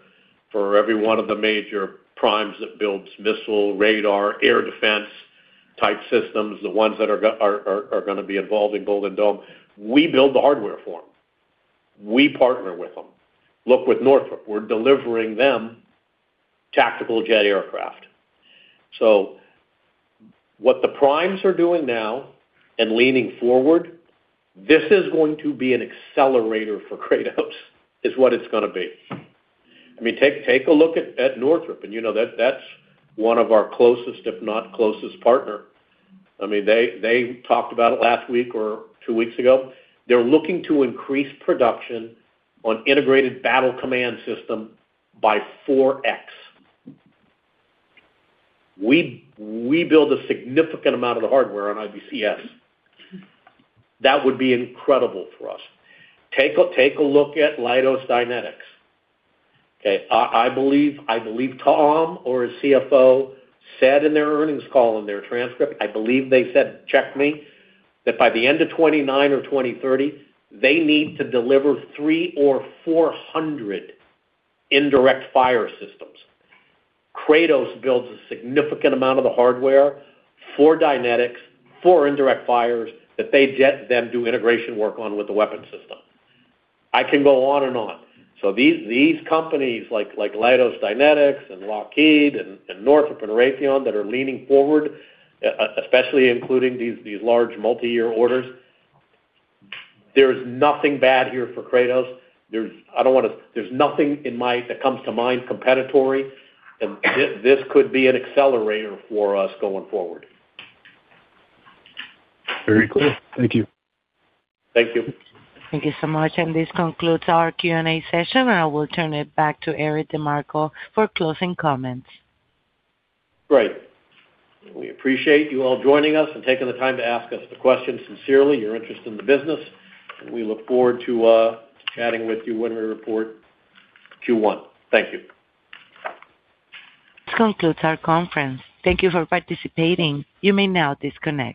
for every one of the major primes that builds missile, radar, air defense-type systems, the ones that are gonna be involved in Iron Dome, we build the hardware for them. We partner with them. Look, with Northrop, we're delivering them tactical jet aircraft. What the primes are doing now and leaning forward, this is going to be an accelerator for Kratos, is what it's gonna be. I mean, take, take a look at, at Northrop, and you know, that, that's one of our closest, if not closest, partner. I mean, they, they talked about it last week or 2 weeks ago. They're looking to increase production on Integrated Battle Command System by 4x. We, we build a significant amount of the hardware on IBCS. That would be incredible for us. Take a, take a look at Leidos Dynetics. Okay, I, I believe, I believe Tom, or his CFO, said in their earnings call, in their transcript, I believe they said, check me, that by the end of 2029 or 2030, they need to deliver 300 or 400 indirect fire systems. Kratos builds a significant amount of the hardware for Dynetics, for indirect fires, that they then do integration work on with the weapon system. I can go on and on. These, these companies, like, like Leidos Dynetics and Lockheed and, and Northrop and Raytheon, that are leaning forward, especially including these, these large multiyear orders, there's nothing bad here for Kratos. There's nothing that comes to mind, competitorily, and this, this could be an accelerator for us going forward. Very clear. Thank you. Thank you. Thank you so much. This concludes our Q&A session. I will turn it back to Eric DeMarco for closing comments. Great. We appreciate you all joining us and taking the time to ask us the questions. Sincerely, your interest in the business, and we look forward to chatting with you when we report Q1. Thank you. This concludes our conference. Thank you for participating. You may now disconnect.